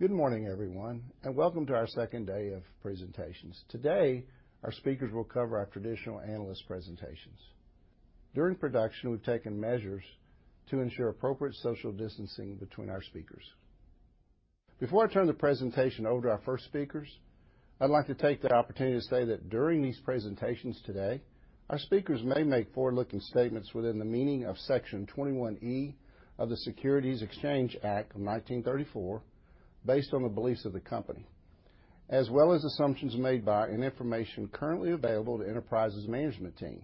Good morning, everyone, and welcome to our second day of presentations. Today, our speakers will cover our traditional analyst presentations. During production, we've taken measures to ensure appropriate social distancing between our speakers. Before I turn the presentation over to our first speakers, I'd like to take the opportunity to say that during these presentations today, our speakers may make forward-looking statements within the meaning of Section 21E of the Securities Exchange Act of 1934, based on the beliefs of the company, as well as assumptions made by and information currently available to Enterprise's management team.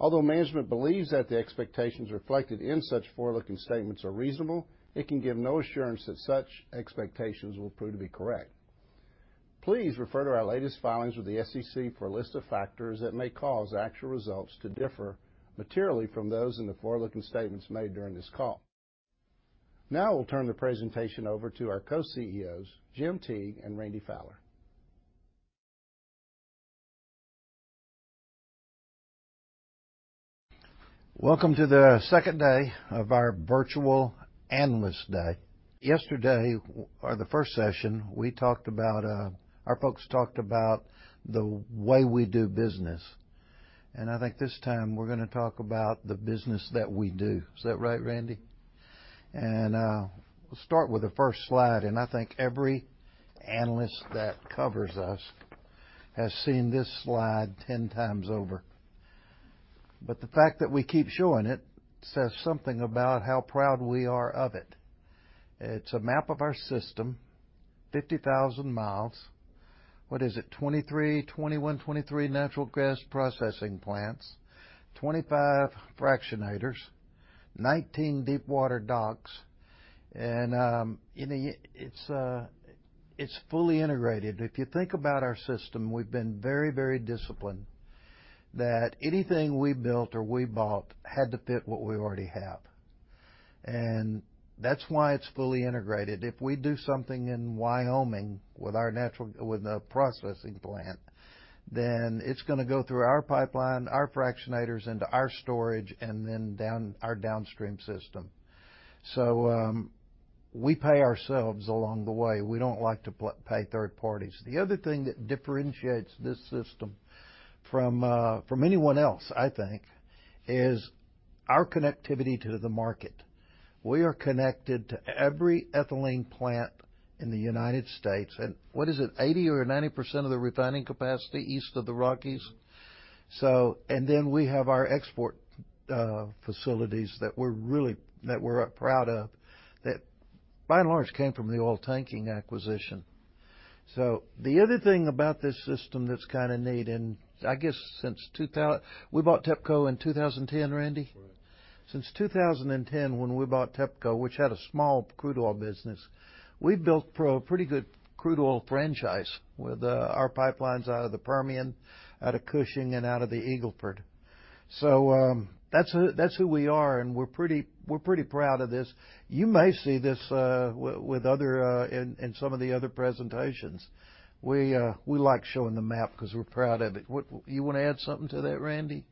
Although management believes that the expectations reflected in such forward-looking statements are reasonable, it can give no assurance that such expectations will prove to be correct. Please refer to our latest filings with the SEC for a list of factors that may cause actual results to differ materially from those in the forward-looking statements made during this call. Now I'll turn the presentation over to our co-CEOs, Jim Teague and Randy Fowler. Welcome to the second day of our virtual Analyst Day. Yesterday, or the first session, our folks talked about the way we do business. I think this time we're going to talk about the business that we do. Is that right, Randy? We'll start with the first slide. I think every analyst that covers us has seen this slide 10 times over. The fact that we keep showing it says something about how proud we are of it. It's a map of our system, 50,000 mi. What is it? 23, 21, 23 natural gas processing plants, 25 fractionators, 19 deep-water docks. It's fully integrated. If you think about our system, we've been very disciplined that anything we built or we bought had to fit what we already have. That's why it's fully integrated. If we do something in Wyoming with a processing plant, then it's going to go through our pipeline, our fractionators, into our storage, and then our downstream system. We pay ourselves along the way. We don't like to pay third parties. The other thing that differentiates this system from anyone else, I think, is our connectivity to the market. We are connected to every ethylene plant in the United States. What is it? 80% or 90% of the refining capacity east of the Rockies. We have our export facilities that we're proud of, that by and large came from the Oiltanking acquisition. The other thing about this system that's kind of neat, I guess since we bought TEPPCO in 2010, Randy? Right. Since 2010 when we bought TEPPCO, which had a small Crude Oil business. We've built a pretty good crude oil franchise with our pipelines out of the Permian, out of Cushing, and out of the Eagle Ford. That's who we are, and we're pretty proud of this. You may see this in some of the other presentations. We like showing the map because we're proud of it. You want to add something to that, Randy?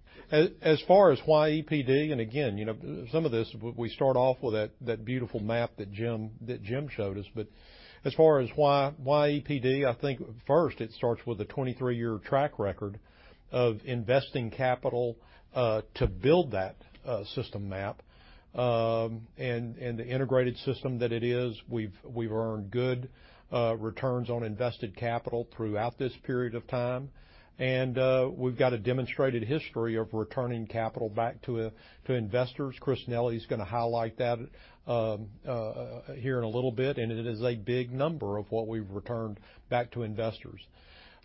As far as why EPD, again, some of this, we start off with that beautiful map that Jim showed us. As far as why EPD, I think first it starts with a 23-year track record of investing capital, to build that system map, and the integrated system that it is. We've earned good returns on invested capital throughout this period of time. We've got a demonstrated history of returning capital back to investors. Chris Nelly is going to highlight that here in a little bit, it is a big number of what we've returned back to investors.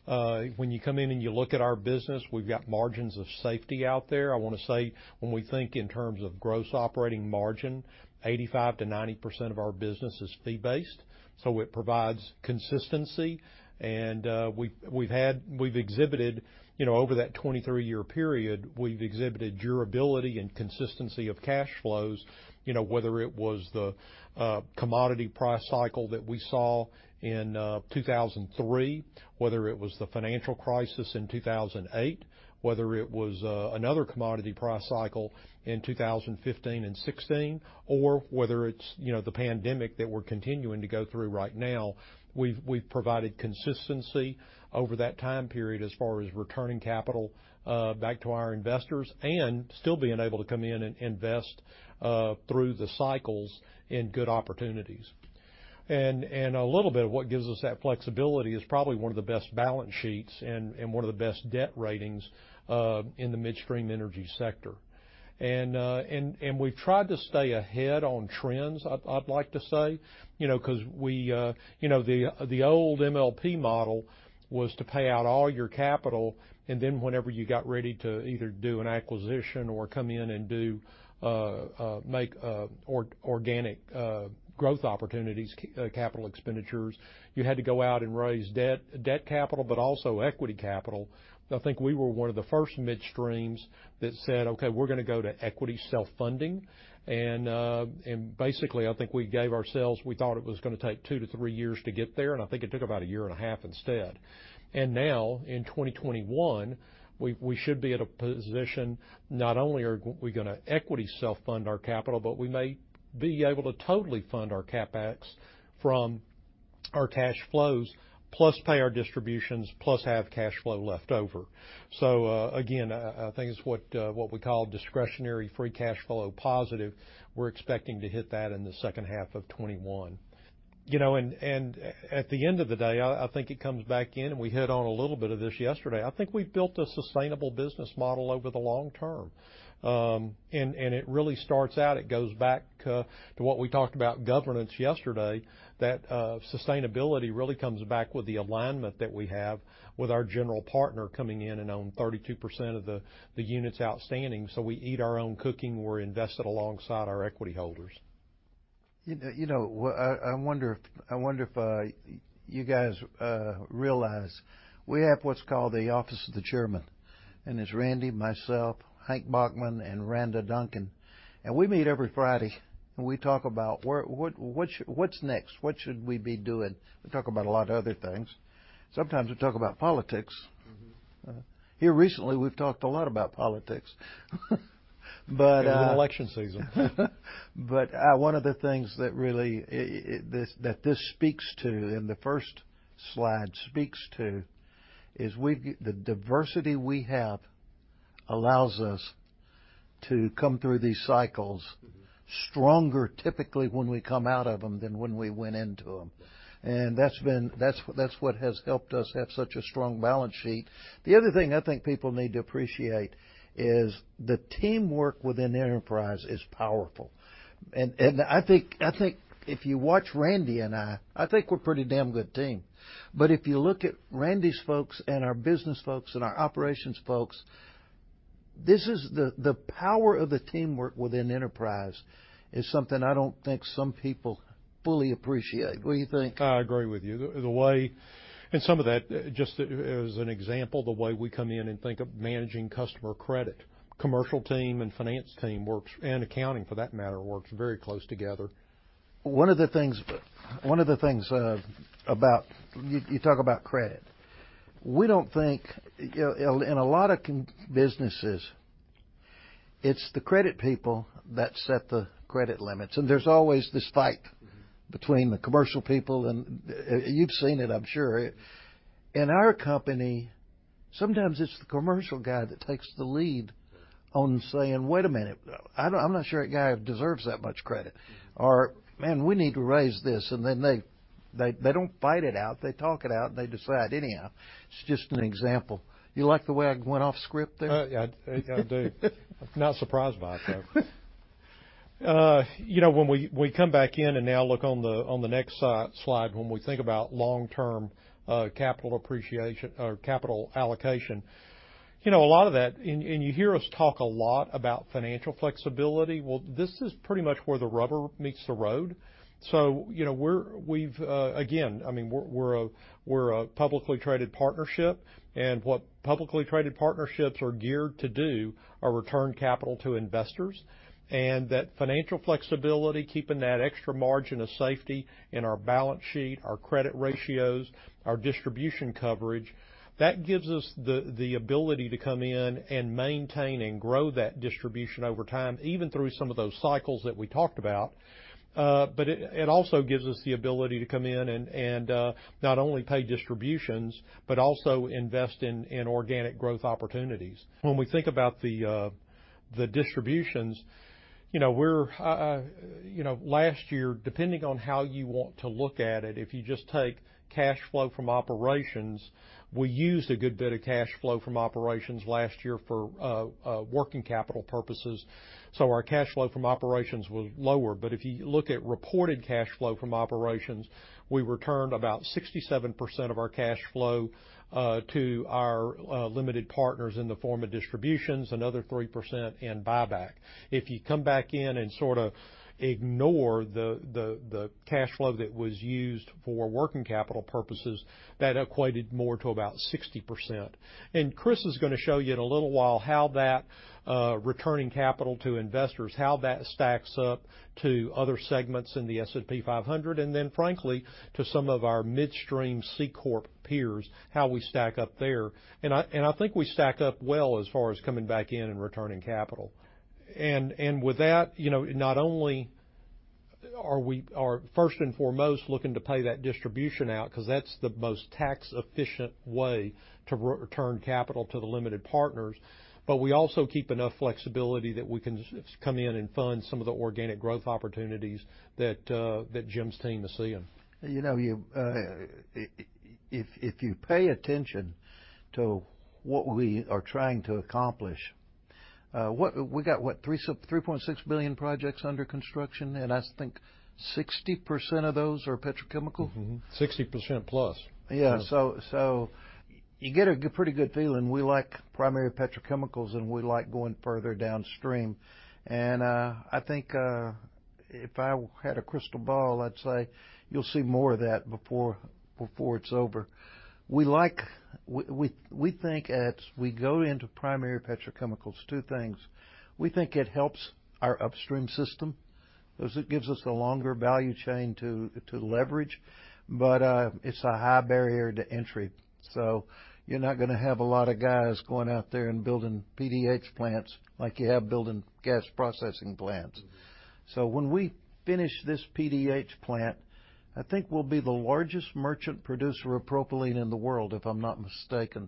When you come in and you look at our business, we've got margins of safety out there. I want to say, when we think in terms of gross operating margin, 85%-90% of our business is fee-based, it provides consistency. We've exhibited over that 23-year period, we've exhibited durability and consistency of cash flows, whether it was the commodity price cycle that we saw in 2003, whether it was the financial crisis in 2008, whether it was another commodity price cycle in 2015 and 2016, or whether it's the pandemic that we're continuing to go through right now. We've provided consistency over that time period as far as returning capital back to our investors and still being able to come in and invest through the cycles in good opportunities. A little bit of what gives us that flexibility is probably one of the best balance sheets and one of the best debt ratings in the midstream energy sector. We've tried to stay ahead on trends, I'd like to say. The old MLP model was to pay out all your capital, and then whenever you got ready to either do an acquisition or come in and make organic growth opportunities, capital expenditures, you had to go out and raise debt capital but also equity capital. I think we were one of the first midstreams that said, "Okay, we're going to go to equity self-funding." Basically, I think we gave ourselves, we thought it was going to take two to three years to get there, and I think it took about a year and a half instead. Now, in 2021, we should be at a position, not only are we going to equity self-fund our capital, but we may be able to totally fund our CapEx from our cash flows plus pay our distributions, plus have cash flow left over. Again, I think it's what we call discretionary free cash flow positive. We're expecting to hit that in the second half of 2021. At the end of the day, I think it comes back in, and we hit on a little bit of this yesterday. I think we've built a sustainable business model over the long term. It really starts out, it goes back to what we talked about governance yesterday, that sustainability really comes back with the alignment that we have with our general partner coming in and own 32% of the units outstanding. We eat our own cooking. We're invested alongside our equity holders. I wonder if you guys realize we have what's called the Office of the Chairman. It's Randy, myself, Hank Bachmann, and Randa Duncan. We meet every Friday, and we talk about what's next, what should we be doing. We talk about a lot of other things. Sometimes we talk about politics. Here recently, we've talked a lot about politics. It is an election season. One of the things that this speaks to, and the first slide speaks to, is the diversity we have allows us to come through these cycles stronger typically when we come out of them than when we went into them. That's what has helped us have such a strong balance sheet. The other thing I think people need to appreciate is the teamwork within Enterprise is powerful. I think if you watch Randy and I think we're a pretty damn good team. If you look at Randy's folks and our business folks and our operations folks, the power of the teamwork within Enterprise is something I don't think some people fully appreciate. What do you think? I agree with you. Some of that, just as an example, the way we come in and think of managing customer credit. Commercial team and finance team works, and accounting for that matter, works very close together. One of the things, you talk about credit. In a lot of businesses, it's the credit people that set the credit limits, and there's always this fight between the commercial people and you've seen it, I'm sure. In our company, sometimes it's the commercial guy that takes the lead on saying, "Wait a minute. I'm not sure that guy deserves that much credit," or, "Man, we need to raise this." They don't fight it out. They talk it out, and they decide. Anyhow, it's just an example. You like the way I went off script there? Yeah, I do. Not surprised by it, though. When we come back in now look on the next slide, when we think about long-term capital allocation. A lot of that, you hear us talk a lot about financial flexibility. Well, this is pretty much where the rubber meets the road. Again, we're a publicly traded partnership, and what publicly traded partnerships are geared to do are return capital to investors, and that financial flexibility, keeping that extra margin of safety in our balance sheet, our credit ratios, our distribution coverage, that gives us the ability to come in and maintain and grow that distribution over time, even through some of those cycles that we talked about. It also gives us the ability to come in and not only pay distributions but also invest in organic growth opportunities. When we think about the distributions, last year, depending on how you want to look at it, if you just take cash flow from operations, we used a good bit of cash flow from operations last year for working capital purposes. Our cash flow from operations was lower. If you look at reported cash flow from operations, we returned about 67% of our cash flow to our limited partners in the form of distributions, another 3% in buyback. If you come back in and sort of ignore the cash flow that was used for working capital purposes, that equated more to about 60%. Chris is going to show you in a little while how that returning capital to investors, how that stacks up to other segments in the S&P 500, then frankly, to some of our midstream C-Corp peers, how we stack up there. I think we stack up well as far as coming back in and returning capital. With that, not only are we first and foremost looking to pay that distribution out because that's the most tax-efficient way to return capital to the limited partners, but we also keep enough flexibility that we can come in and fund some of the organic growth opportunities that Jim's team is seeing. If you pay attention to what we are trying to accomplish, we got, what, $3.6 billion projects under construction, and I think 60% of those are Petrochemical? Mm-hmm. 60%+. Yeah. You get a pretty good feeling. We like primary petrochemicals, and we like going further downstream. I think if I had a crystal ball, I'd say you'll see more of that before it's over. We think as we go into primary petrochemicals, two things. We think it helps our upstream system, because it gives us the longer value chain to leverage. It's a high barrier to entry. You're not going to have a lot of guys going out there and building PDH plants like you have building gas processing plants. When we finish this PDH plant, I think we'll be the largest merchant producer of propylene in the world, if I'm not mistaken.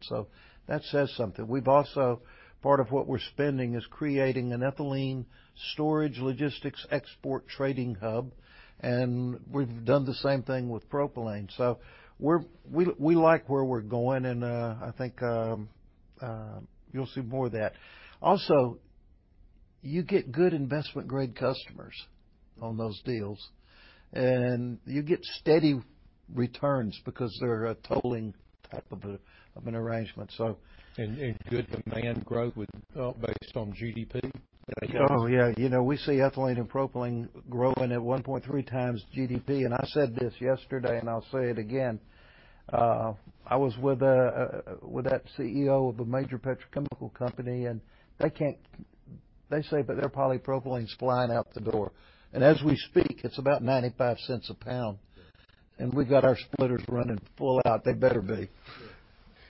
That says something. We've also, part of what we're spending is creating an ethylene storage logistics export trading hub, and we've done the same thing with propylene. We like where we're going and, I think, you'll see more of that. Also, you get good investment-grade customers on those deals, and you get steady returns because they're a tolling type of an arrangement. Good demand growth based on GDP, I guess. Oh, yeah. We see ethylene and propylene growing at 1.3x GDP. I said this yesterday and I'll say it again. I was with that CEO of a major Petrochemical company, and they say that their polypropylene's flying out the door. As we speak, it's about $0.95 a pound. Yeah. We've got our splitters running full out. They better be.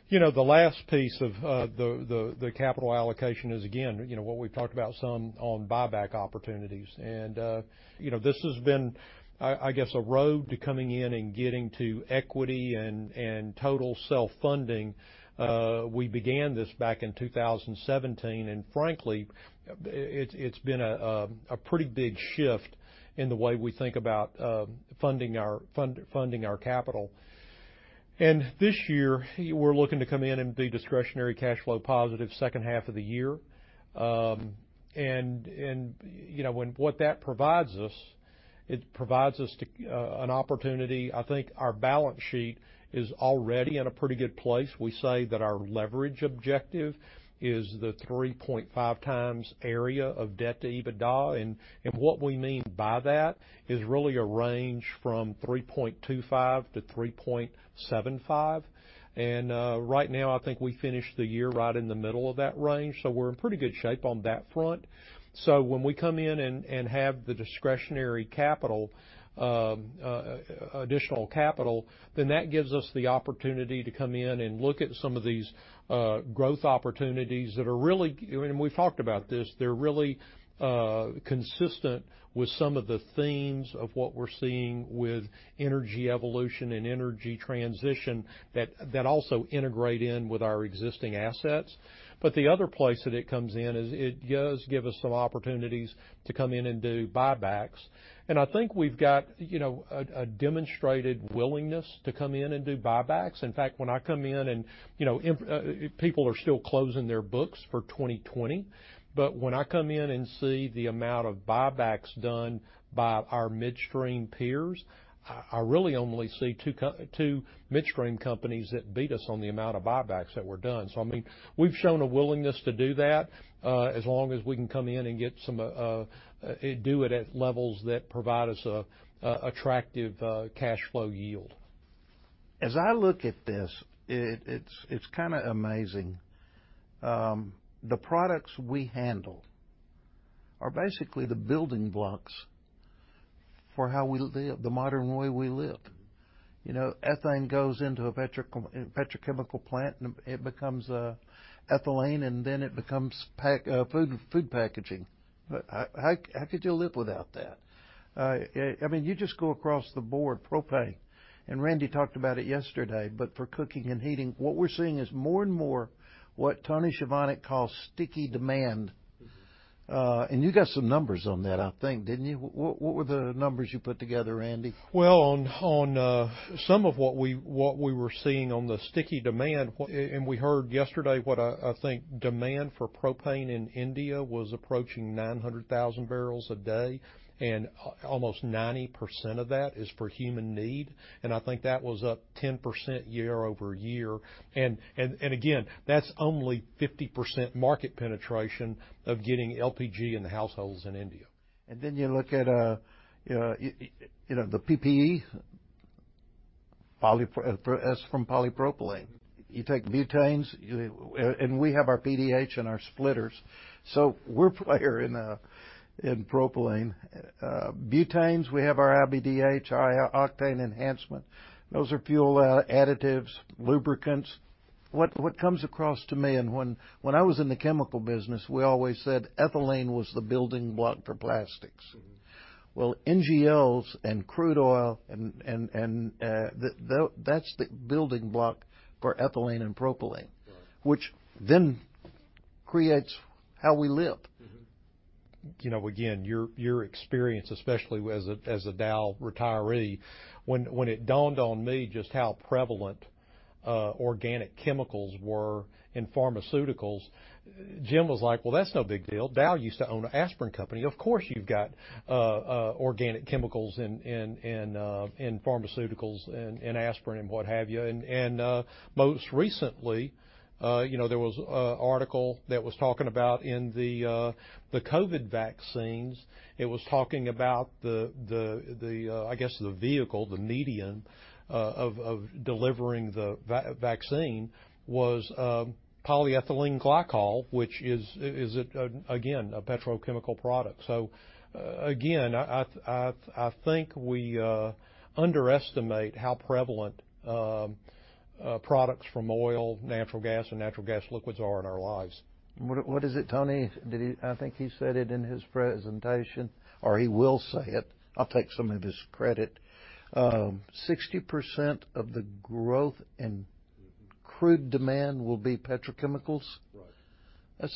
Sure. The last piece of the capital allocation is, again, what we've talked about some on buyback opportunities. This has been, I guess, a road to coming in and getting to equity and total self-funding. We began this back in 2017, and frankly, it's been a pretty big shift in the way we think about funding our capital. This year, we're looking to come in and be discretionary cash flow positive second half of the year. What that provides us, it provides us an opportunity. I think our balance sheet is already in a pretty good place. We say that our leverage objective is the 3.5x area of debt to EBITDA. What we mean by that is really a range from 3.25x-3.75x. Right now, I think we finished the year right in the middle of that range, so we're in pretty good shape on that front. When we come in and have the discretionary capital, additional capital, then that gives us the opportunity to come in and look at some of these growth opportunities and we've talked about this, they're really consistent with some of the themes of what we're seeing with energy evolution and energy transition that also integrate in with our existing assets. The other place that it comes in is it does give us some opportunities to come in and do buybacks. I think we've got a demonstrated willingness to come in and do buybacks. In fact, when I come in people are still closing their books for 2020, but when I come in and see the amount of buybacks done by our midstream peers, I really only see two midstream companies that beat us on the amount of buybacks that were done. We've shown a willingness to do that, as long as we can come in and do it at levels that provide us attractive cash flow yield. As I look at this, it's kind of amazing. The products we handle are basically the building blocks for how we live, the modern way we live. Ethane goes into a Petrochemical plant, and it becomes ethylene, and then it becomes food packaging. How could you live without that? You just go across the board, propane, and Randy talked about it yesterday, but for cooking and heating. What we're seeing is more and more what Tony Chovanec calls sticky demand. You got some numbers on that, I think, didn't you? What were the numbers you put together, Randy? Well, on some of what we were seeing on the sticky demand, we heard yesterday what I think demand for propane in India was approaching 900,000 bpd, and almost 90% of that is for human need. I think that was up 10% year-over-year. Again, that's only 50% market penetration of getting LPG in the households in India. Then you look at the PPE, That's from polypropylene. You take butanes, and we have our PDH and our splitters. We're a player in propylene. Butanes, we have our iBDH, our octane enhancement. Those are fuel additives, lubricants. What comes across to me, and when I was in the chemical business, we always said ethylene was the building block for plastics. NGLs and crude oil, and that's the building block for ethylene and propylene. Right. Which then creates how we live. Mm-hmm. Again, your experience, especially as a Dow retiree, when it dawned on me just how prevalent organic chemicals were in pharmaceuticals, Jim was like, "Well, that's no big deal. Dow used to own an aspirin company. Of course, you've got organic chemicals in pharmaceuticals and aspirin and what have you." Most recently, there was an article that was talking about in the COVID vaccines. It was talking about, I guess, the vehicle, the medium of delivering the vaccine was polyethylene glycol, which is, again, a Petrochemical product. Again, I think we underestimate how prevalent products from oil, natural gas, and natural gas liquids are in our lives. What is it Tony? I think he said it in his presentation, or he will say it. I'll take some of his credit. 60% of the growth in crude demand will be petrochemicals. Right.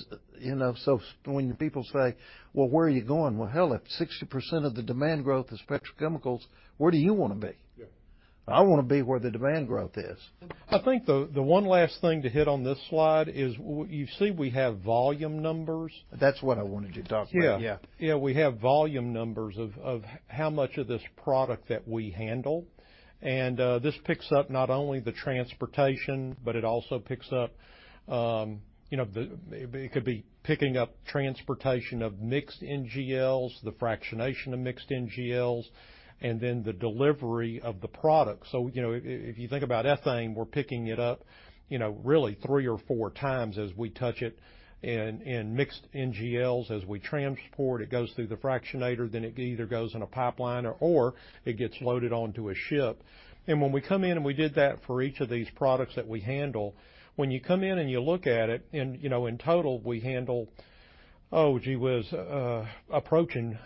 When people say, "Well, where are you going?" Well, hell, if 60% of the demand growth is petrochemicals, where do you want to be? Yeah. I want to be where the demand growth is. I think the one last thing to hit on this slide is you see we have volume numbers. That's what I wanted to talk about. Yeah. Yeah. Yeah, we have volume numbers of how much of this product that we handle. This picks up not only the transportation, but it also picks up, it could be picking up transportation of mixed NGLs, the fractionation of mixed NGLs, and then the delivery of the product. If you think about ethane, we're picking it up really 3x, or 4x as we touch it in mixed NGLs. As we transport, it goes through the fractionator, then it either goes in a pipeline, or it gets loaded onto a ship. When we come in, and we did that for each of these products that we handle, when you come in and you look at it, in total, we handle, oh, gee whiz, approaching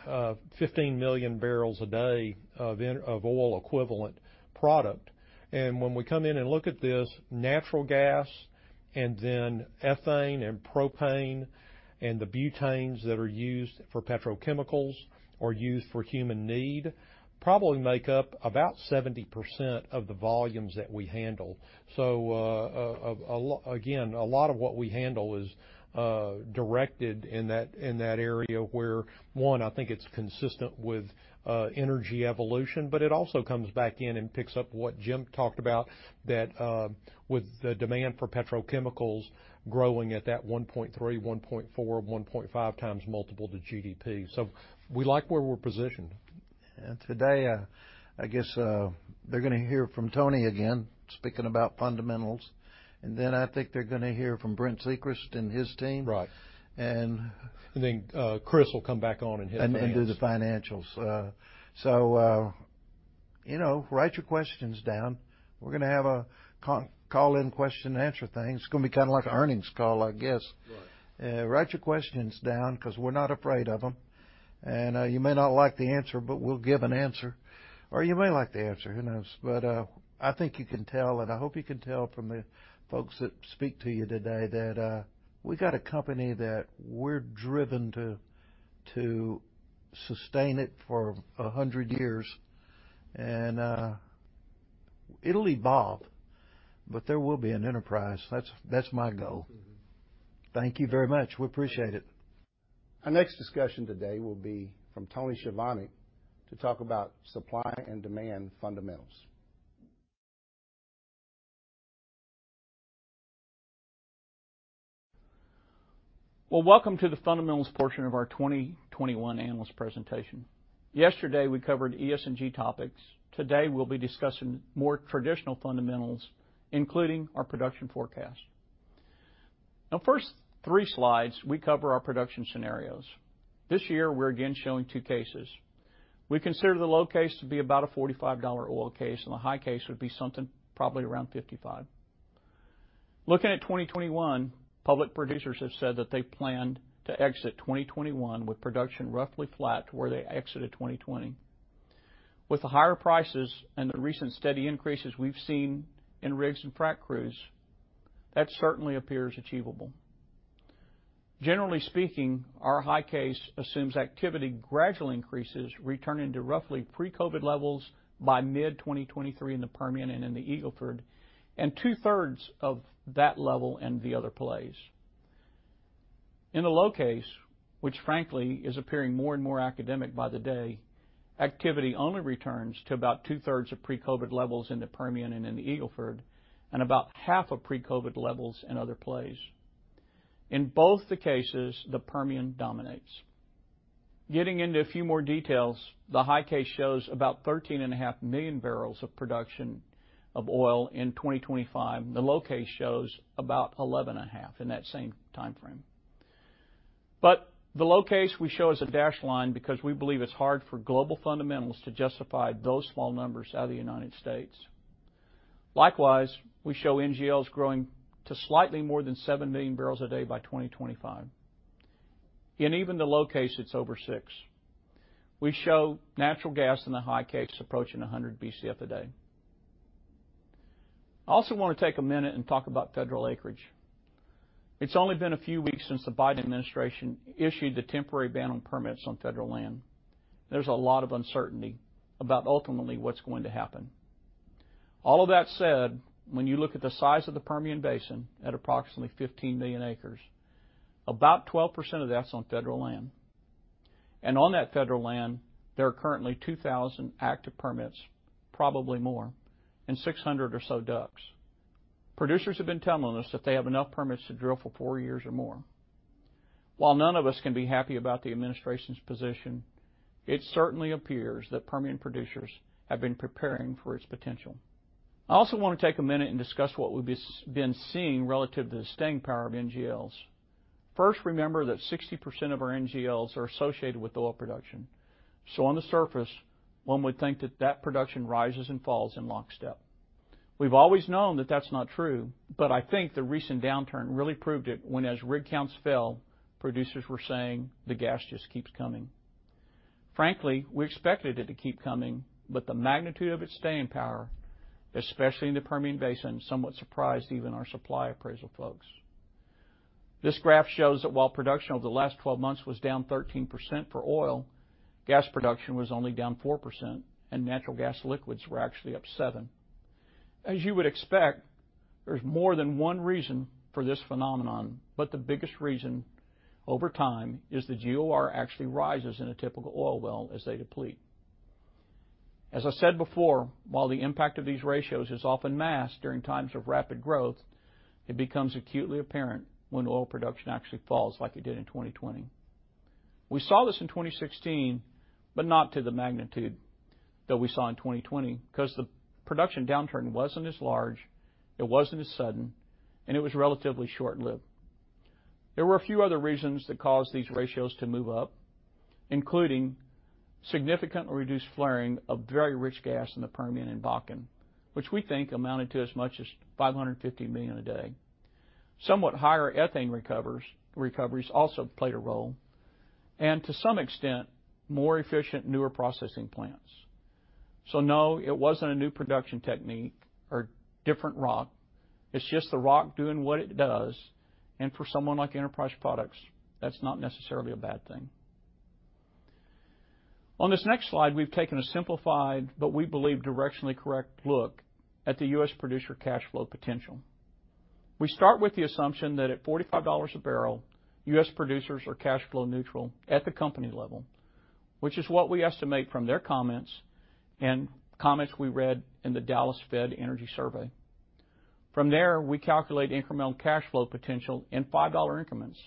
15 MMbpd of oil equivalent product. When we come in and look at this natural gas and then ethane and propane and the butanes that are used for petrochemicals or used for human need probably make up about 70% of the volumes that we handle. Again, a lot of what we handle is directed in that area where, one, I think it's consistent with energy evolution, but it also comes back in and picks up what Jim talked about, that with the demand for petrochemicals growing at that 1.3x, 1.4x, 1.5x multiple to GDP. We like where we're positioned. Today, I guess, they're going to hear from Tony again, speaking about fundamentals. Then I think they're going to hear from Brent Secrest and his team. Right. Chris will come back on and hit finance. Do the financials. Write your questions down. We're going to have a call-in question-and-answer thing. It's going to be kind of like an earnings call, I guess. Right. Write your questions down because we're not afraid of them, and you may not like the answer, but we'll give an answer. You may like the answer, who knows? I think you can tell, and I hope you can tell from the folks that speak to you today that we got a company that we're driven to sustain it for 100 years. It'll evolve, but there will be an Enterprise. That's my goal. Thank you very much. We appreciate it. Our next discussion today will be from Tony Chovanec to talk about supply and demand fundamentals. Well, welcome to the fundamentals portion of our 2021 analyst presentation. Yesterday, we covered ES&G topics. Today we'll be discussing more traditional fundamentals, including our production forecast. Now, first three slides, we cover our production scenarios. This year, we're again showing two cases. We consider the low case to be about a $45 oil case, and the high case would be something probably around $55. Looking at 2021, public producers have said that they planned to exit 2021 with production roughly flat to where they exited 2020. With the higher prices and the recent steady increases we've seen in rigs and frac crews, that certainly appears achievable. Generally speaking, our high case assumes activity gradually increases, returning to roughly pre-COVID levels by mid-2023 in the Permian and in the Eagle Ford, and 2/3 of that level in the other plays. In the low case, which frankly is appearing more and more academic by the day, activity only returns to about 2/3 of pre-COVID levels in the Permian and in the Eagle Ford, and about half of pre-COVID levels in other plays. In both the cases, the Permian dominates. Getting into a few more details, the high case shows about 13.5 MMbbl of production of oil in 2025. The low case shows about 11.5 MMbbl in that same timeframe. The low case we show as a dashed line because we believe it's hard for global fundamentals to justify those fall numbers out of the United States. Likewise, we show NGLs growing to slightly more than 7 MMbpd by 2025. In even the low case, it's over 6 MMbpd. We show natural gas in the high case approaching 100 Bcf a day. I also want to take a minute and talk about federal acreage. It's only been a few weeks since the Biden administration issued a temporary ban on permits on federal land. There's a lot of uncertainty about ultimately what's going to happen. All of that said, when you look at the size of the Permian Basin at approximately 15 million acres, about 12% of that's on federal land. On that federal land, there are currently 2,000 active permits, probably more, and 600 or so DUCs. Producers have been telling us that they have enough permits to drill for four years or more. While none of us can be happy about the administration's position, it certainly appears that Permian producers have been preparing for its potential. I also want to take a minute and discuss what we've been seeing relative to the staying power of NGLs. Remember that 60% of our NGLs are associated with oil production. On the surface, one would think that production rises and falls in lockstep. We've always known that that's not true, I think the recent downturn really proved it when as rig counts fell, producers were saying the gas just keeps coming. We expected it to keep coming, but the magnitude of its staying power, especially in the Permian Basin, somewhat surprised even our supply appraisal folks. This graph shows that while production over the last 12 months was down 13% for oil, gas production was only down 4%, and natural gas liquids were actually up 7%. You would expect, there's more than one reason for this phenomenon, the biggest reason over time is the GOR actually rises in a typical oil well as they deplete. As I said before, while the impact of these ratios is often masked during times of rapid growth, it becomes acutely apparent when oil production actually falls like it did in 2020. We saw this in 2016, not to the magnitude that we saw in 2020, because the production downturn wasn't as large, it wasn't as sudden, and it was relatively short-lived. There were a few other reasons that caused these ratios to move up, including significant reduced flaring of very rich gas in the Permian and Bakken, which we think amounted to as much as $550 million a day. Somewhat higher ethane recoveries also played a role, to some extent, more efficient, newer processing plants. No, it wasn't a new production technique or different rock. It's just the rock doing what it does, and for someone like Enterprise Products, that's not necessarily a bad thing. On this next slide, we've taken a simplified, but we believe directionally correct look at the U.S. producer cash flow potential. We start with the assumption that at $45 a barrel, U.S. producers are cash flow neutral at the company level, which is what we estimate from their comments and comments we read in the Dallas Fed Energy Survey. From there, we calculate incremental cash flow potential in $5 increments,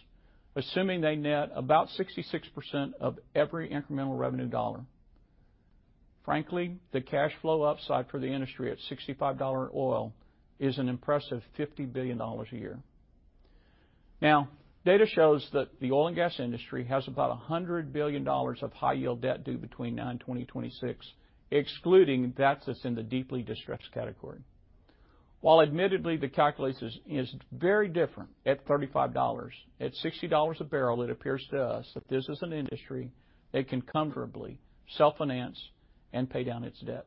assuming they net about 66% of every incremental revenue dollar. Frankly, the cash flow upside for the industry at $65 oil is an impressive $50 billion a year. Data shows that the oil and gas industry has about $100 billion of high yield debt due between now and 2026, excluding debts that's in the deeply distressed category. While admittedly the calculus is very different at $35, at $60 a barrel, it appears to us that this is an industry that can comfortably self-finance and pay down its debt.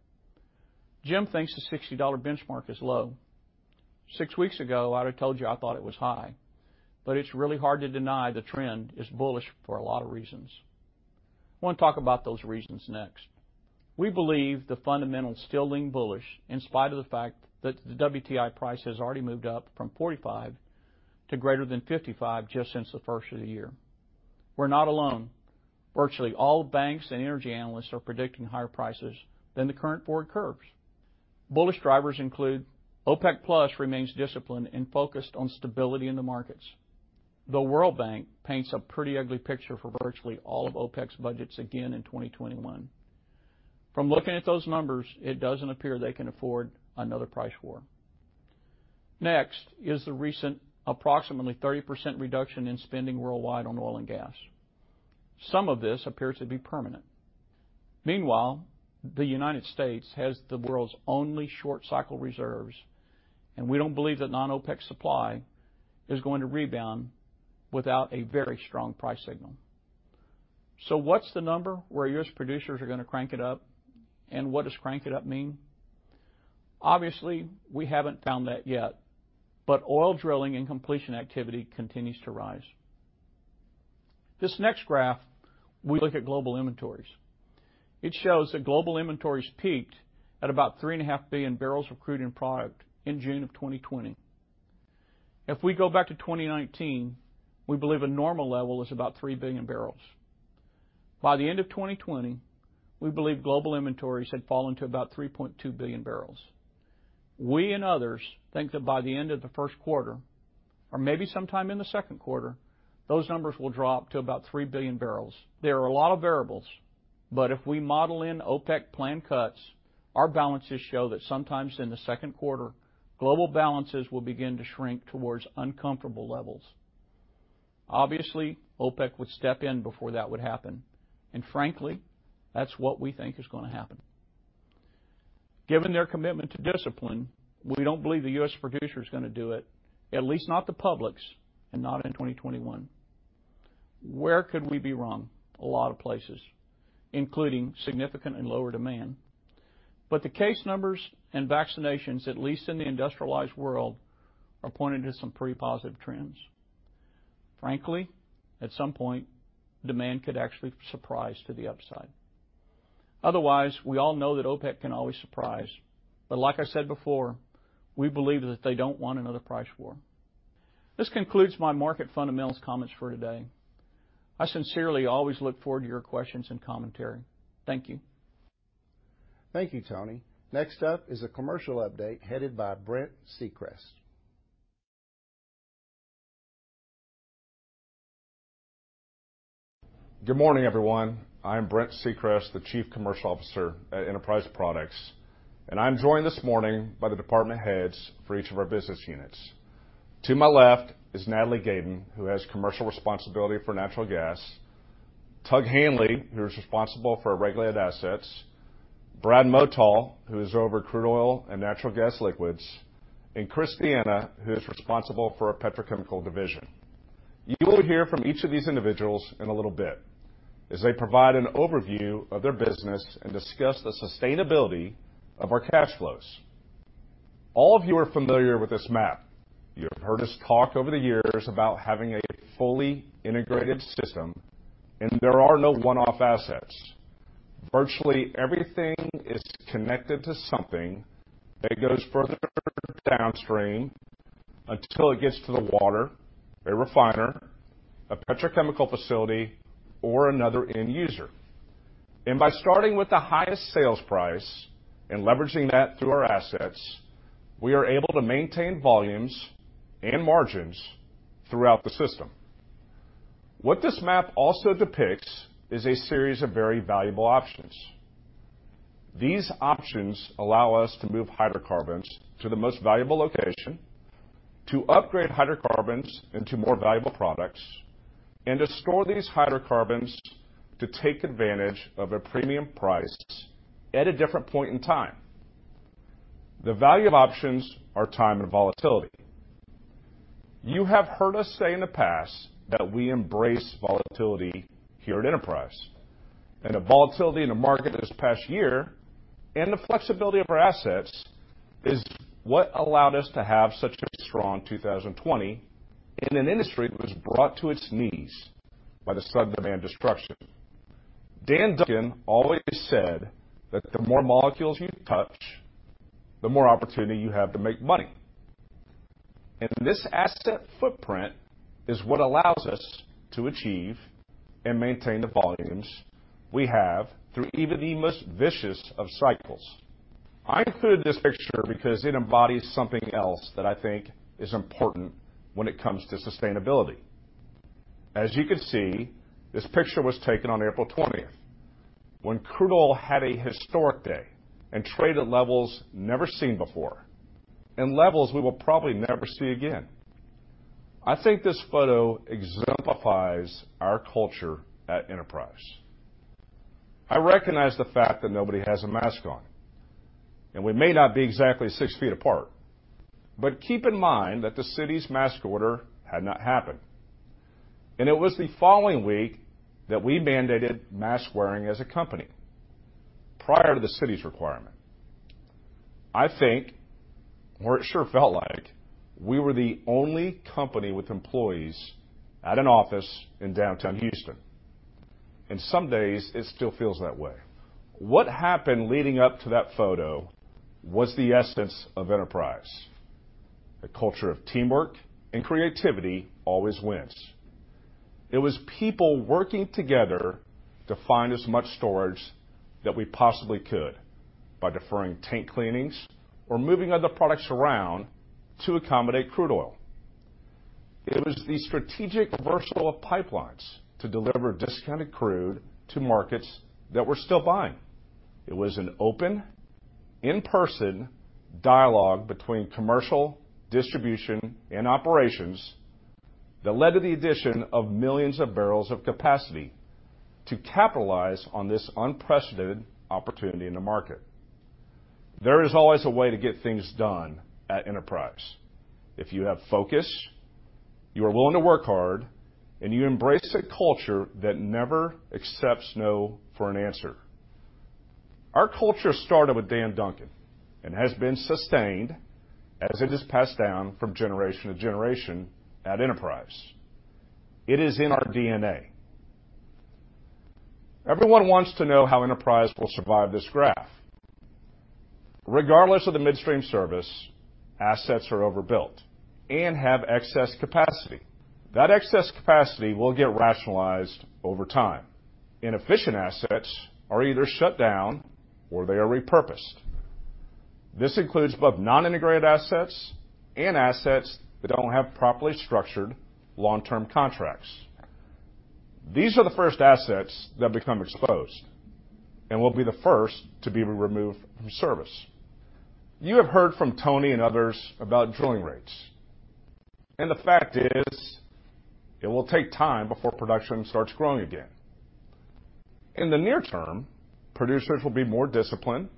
Jim thinks the $60 benchmark is low. Six weeks ago, I'd have told you I thought it was high. It's really hard to deny the trend is bullish for a lot of reasons. I want to talk about those reasons next. We believe the fundamentals still lean bullish in spite of the fact that the WTI price has already moved up from $45 to greater than $55 just since the first of the year. We're not alone. Virtually all banks and energy analysts are predicting higher prices than the current forward curves. Bullish drivers include OPEC+ remains disciplined and focused on stability in the markets. The World Bank paints a pretty ugly picture for virtually all of OPEC's budgets again in 2021. From looking at those numbers, it doesn't appear they can afford another price war. Next is the recent approximately 30% reduction in spending worldwide on oil and gas. Some of this appears to be permanent. Meanwhile, the United States has the world's only short cycle reserves, and we don't believe that non-OPEC supply is going to rebound without a very strong price signal. What's the number where U.S. producers are going to crank it up? What does crank it up mean? Obviously, we haven't found that yet, but oil drilling and completion activity continues to rise. This next graph, we look at global inventories. It shows that global inventories peaked at about 3.5 Bbbl of crude and product in June of 2020. If we go back to 2019, we believe a normal level is about 3 Bbbl. By the end of 2020, we believe global inventories had fallen to about 3.2 Bbbl. We and others think that by the end of the first quarter, or maybe sometime in the second quarter, those numbers will drop to about 3 Bbbl. There are a lot of variables, but if we model in OPEC plan cuts, our balances show that sometimes in the second quarter, global balances will begin to shrink towards uncomfortable levels. Obviously, OPEC would step in before that would happen. Frankly, that's what we think is going to happen. Given their commitment to discipline, we don't believe the U.S. producer's going to do it, at least not the publics, and not in 2021. Where could we be wrong? A lot of places, including significant and lower demand. The case numbers and vaccinations, at least in the industrialized world, are pointing to some pretty positive trends. Frankly, at some point, demand could actually surprise to the upside. Otherwise, we all know that OPEC can always surprise. Like I said before, we believe that they don't want another price war. This concludes my market fundamentals comments for today. I sincerely always look forward to your questions and commentary. Thank you. Thank you, Tony. Next up is a commercial update headed by Brent Secrest. Good morning, everyone. I'm Brent Secrest, the Chief Commercial Officer at Enterprise Products, and I'm joined this morning by the department heads for each of our business units. To my left is Natalie Gayden, who has commercial responsibility for natural gas. Tug Hanley, who is responsible for our regulated assets. Brad Motal, who is over crude oil and natural gas liquids, and Chris D'Anna, who is responsible for our Petrochemical division. You will hear from each of these individuals in a little bit as they provide an overview of their business and discuss the sustainability of our cash flows. All of you are familiar with this map. You have heard us talk over the years about having a fully integrated system. There are no one-off assets. Virtually everything is connected to something that goes further downstream until it gets to the water, a refiner, a Petrochemical facility, or another end user. By starting with the highest sales price and leveraging that through our assets, we are able to maintain volumes and margins throughout the system. What this map also depicts is a series of very valuable options. These options allow us to move hydrocarbons to the most valuable location, to upgrade hydrocarbons into more valuable products, and to store these hydrocarbons to take advantage of a premium price at a different point in time. The value of options are time and volatility. You have heard us say in the past that we embrace volatility here at Enterprise, and the volatility in the market this past year and the flexibility of our assets is what allowed us to have such a strong 2020 in an industry that was brought to its knees by the sudden demand destruction. Dan Duncan always said that the more molecules you touch, the more opportunity you have to make money. This asset footprint is what allows us to achieve and maintain the volumes we have through even the most vicious of cycles. I included this picture because it embodies something else that I think is important when it comes to sustainability. As you can see, this picture was taken on April 20th, when crude oil had a historic day and traded levels never seen before and levels we will probably never see again. I think this photo exemplifies our culture at Enterprise. I recognize the fact that nobody has a mask on, and we may not be exactly 6 ft apart, but keep in mind that the city's mask order had not happened, and it was the following week that we mandated mask-wearing as a company, prior to the city's requirement. I think, or it sure felt like, we were the only company with employees at an office in downtown Houston, and some days it still feels that way. What happened leading up to that photo was the essence of Enterprise, a culture of teamwork and creativity always wins. It was people working together to find as much storage that we possibly could by deferring tank cleanings or moving other products around to accommodate crude oil. It was the strategic reversal of pipelines to deliver discounted crude to markets that were still buying. It was an open, in-person dialogue between commercial distribution and operations that led to the addition of millions of barrels of capacity to capitalize on this unprecedented opportunity in the market. There is always a way to get things done at Enterprise if you have focus, you are willing to work hard, and you embrace a culture that never accepts no for an answer. Our culture started with Dan Duncan and has been sustained as it is passed down from generation to generation at Enterprise. It is in our DNA. Everyone wants to know how Enterprise will survive this graph. Regardless of the midstream service, assets are overbuilt and have excess capacity. That excess capacity will get rationalized over time. Inefficient assets are either shut down or they are repurposed. This includes both non-integrated assets and assets that don't have properly structured long-term contracts. These are the first assets that become exposed and will be the first to be removed from service. You have heard from Tony and others about drilling rates, and the fact is, it will take time before production starts growing again. In the near term, producers will be more disciplined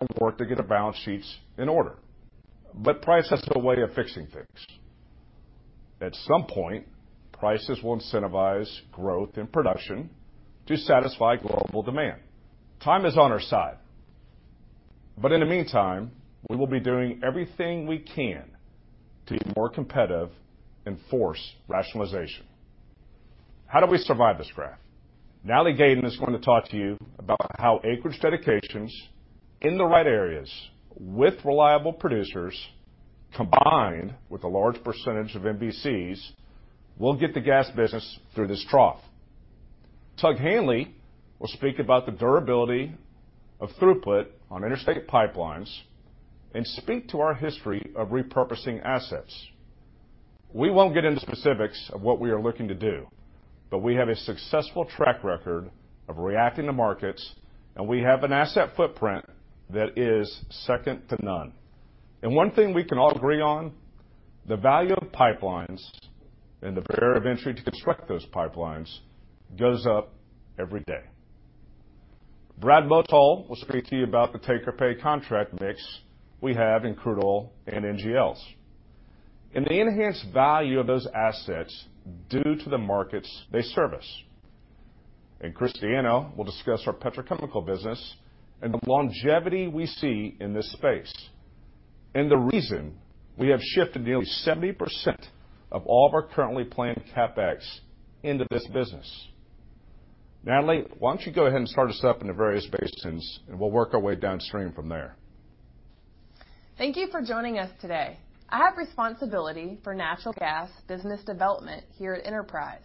and work to get their balance sheets in order, but price has a way of fixing things. At some point, prices will incentivize growth in production to satisfy global demand. Time is on our side, but in the meantime, we will be doing everything we can to be more competitive and force rationalization. How do we survive this graph? Natalie Gayden is going to talk to you about how acreage dedications in the right areas with reliable producers, combined with a large percentage of MVCs, will get the gas business through this trough. Tug Hanley will speak about the durability of throughput on interstate pipelines and speak to our history of repurposing assets. We won't get into specifics of what we are looking to do, but we have a successful track record of reacting to markets and we have an asset footprint that is second to none. One thing we can all agree on. The value of pipelines and the barrier of entry to construct those pipelines goes up every day. Brad Motal will speak to you about the take-or-pay contract mix we have in crude oil and NGLs, and the enhanced value of those assets due to the markets they service. Chris D'Anna will discuss our Petrochemical business and the longevity we see in this space, and the reason we have shifted nearly 70% of all of our currently planned CapEx into this business. Natalie, why don't you go ahead and start us up in the various basins, and we'll work our way downstream from there. Thank you for joining us today. I have responsibility for Natural Gas business development here at Enterprise.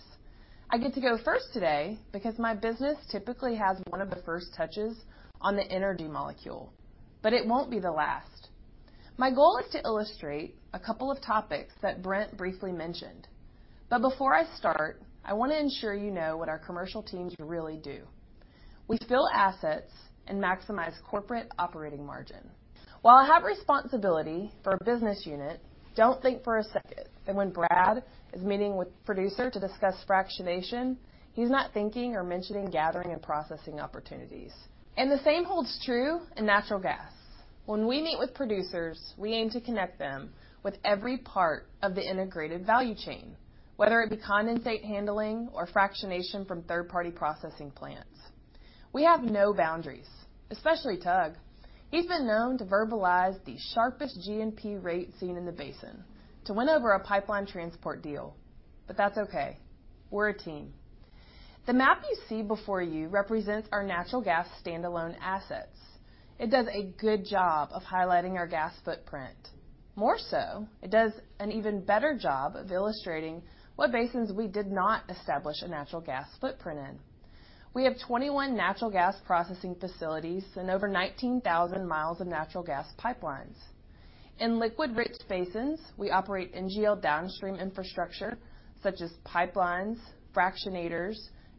I get to go first today because my business typically has one of the first touches on the energy molecule. It won't be the last. My goal is to illustrate a couple of topics that Brent briefly mentioned. Before I start, I want to ensure you know what our Commercial teams really do. We fill assets and maximize corporate operating margin. While I have responsibility for a business unit, don't think for a second that when Brad is meeting with a producer to discuss fractionation, he's not thinking or mentioning gathering and processing opportunities. The same holds true in natural gas. When we meet with producers, we aim to connect them with every part of the integrated value chain, whether it be condensate handling or fractionation from third-party processing plants. We have no boundaries, especially Tug. He's been known to verbalize the sharpest G&P rate seen in the basin to win over a pipeline transport deal. That's okay. We're a team. The map you see before you represents our natural gas standalone assets. It does a good job of highlighting our gas footprint. More so, it does an even better job of illustrating what basins we did not establish a natural gas footprint in. We have 21 natural gas processing facilities and over 19,000 mi of natural gas pipelines. In liquid-rich basins, we operate NGL downstream infrastructure such as pipelines, fractionators,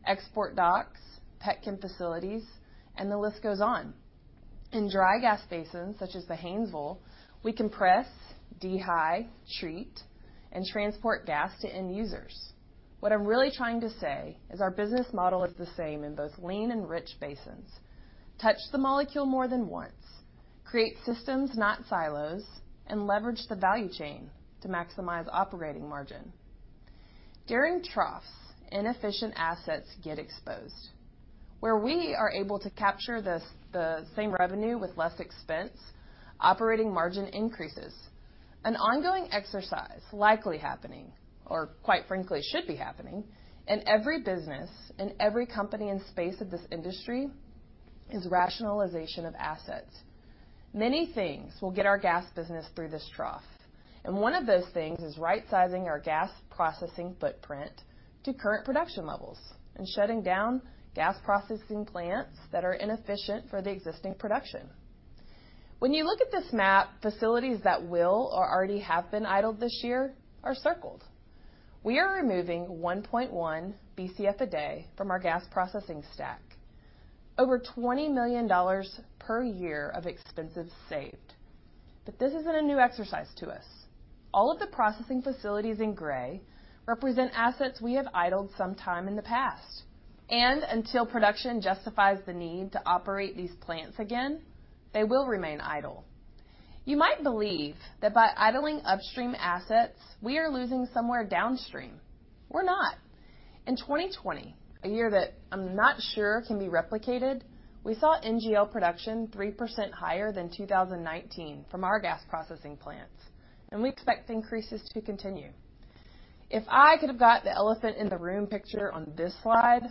export docks, pet chem facilities, and the list goes on. In dry gas basins such as the Haynesville, we compress, dehy, treat, and transport gas to end users. What I'm really trying to say is our business model is the same in both lean and rich basins. Touch the molecule more than once, create systems, not silos, and leverage the value chain to maximize operating margin. During troughs, inefficient assets get exposed. Where we are able to capture the same revenue with less expense, operating margin increases. An ongoing exercise likely happening, or quite frankly, should be happening, in every business and every company and space of this industry, is rationalization of assets. One of those things is right-sizing our gas processing footprint to current production levels and shutting down gas processing plants that are inefficient for the existing production. When you look at this map, facilities that will or already have been idled this year are circled. We are removing 1.1 Bcf a day from our gas processing stack. Over $20 million per year of expenses saved. This isn't a new exercise to us. All of the processing facilities in gray represent assets we have idled some time in the past. Until production justifies the need to operate these plants again, they will remain idle. You might believe that by idling upstream assets, we are losing somewhere downstream. We're not. In 2020, a year that I'm not sure can be replicated, we saw NGL production 3% higher than 2019 from our gas processing plants, and we expect increases to continue. If I could have got the elephant in the room picture on this slide,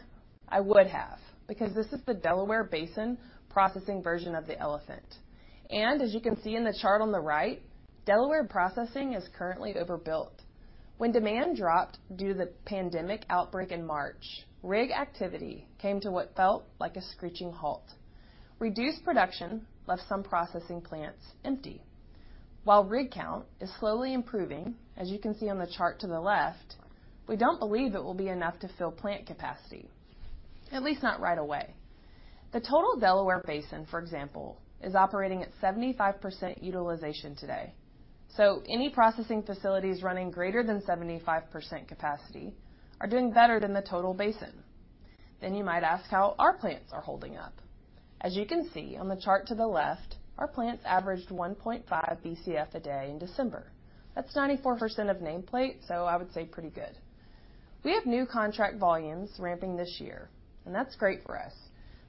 I would have, because this is the Delaware Basin processing version of the elephant. As you can see in the chart on the right, Delaware processing is currently overbuilt. When demand dropped due to the pandemic outbreak in March, rig activity came to what felt like a screeching halt. Reduced production left some processing plants empty. While rig count is slowly improving, as you can see on the chart to the left, we don't believe it will be enough to fill plant capacity, at least not right away. The total Delaware basin, for example, is operating at 75% utilization today. Any processing facilities running greater than 75% capacity are doing better than the total basin. You might ask how our plants are holding up. As you can see on the chart to the left, our plants averaged 1.5 Bcf a day in December. That's 94% of nameplate, I would say pretty good. We have new contract volumes ramping this year, that's great for us.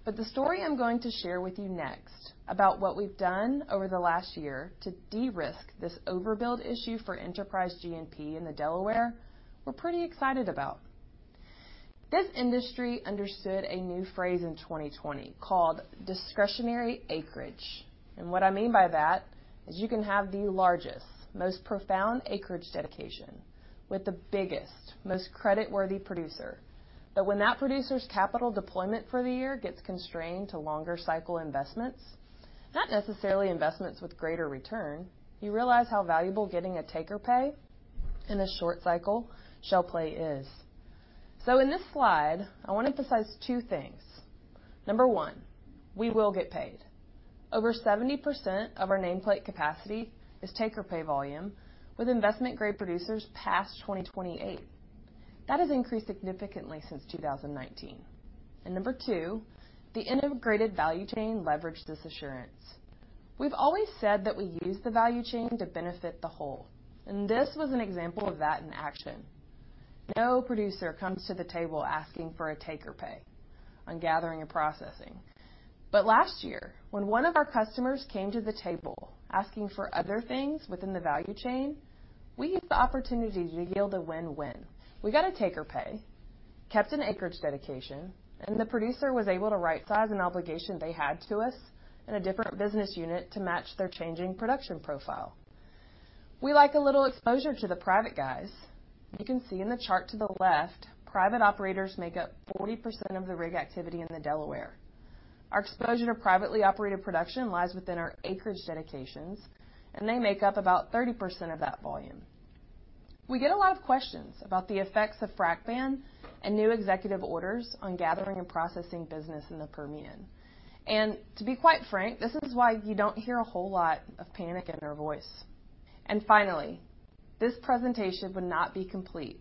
The story I'm going to share with you next about what we've done over the last year to de-risk this overbuild issue for Enterprise G&P in the Delaware, we're pretty excited about. This industry understood a new phrase in 2020 called discretionary acreage. What I mean by that is you can have the largest, most profound acreage dedication with the biggest, most credit-worthy producer. When that producer's capital deployment for the year gets constrained to longer cycle investments, not necessarily investments with greater return, you realize how valuable getting a take or pay in a short cycle shale play is. In this slide, I want to emphasize two things. Number one, we will get paid. Over 70% of our nameplate capacity is take or pay volume with investment-grade producers past 2028. That has increased significantly since 2019. Number two, the integrated value chain leveraged this assurance. We've always said that we use the value chain to benefit the whole, and this was an example of that in action. No producer comes to the table asking for a take or pay on gathering and processing. Last year, when one of our customers came to the table asking for other things within the value chain, we used the opportunity to yield a win-win. We got a take or pay, kept an acreage dedication, and the producer was able to right-size an obligation they had to us in a different business unit to match their changing production profile. We like a little exposure to the private guys. You can see in the chart to the left, private operators make up 40% of the rig activity in the Delaware. Our exposure to privately operated production lies within our acreage dedications, and they make up about 30% of that volume. We get a lot of questions about the effects of frac ban and new executive orders on gathering and processing business in the Permian. To be quite frank, this is why you don't hear a whole lot of panic in our voice. Finally, this presentation would not be complete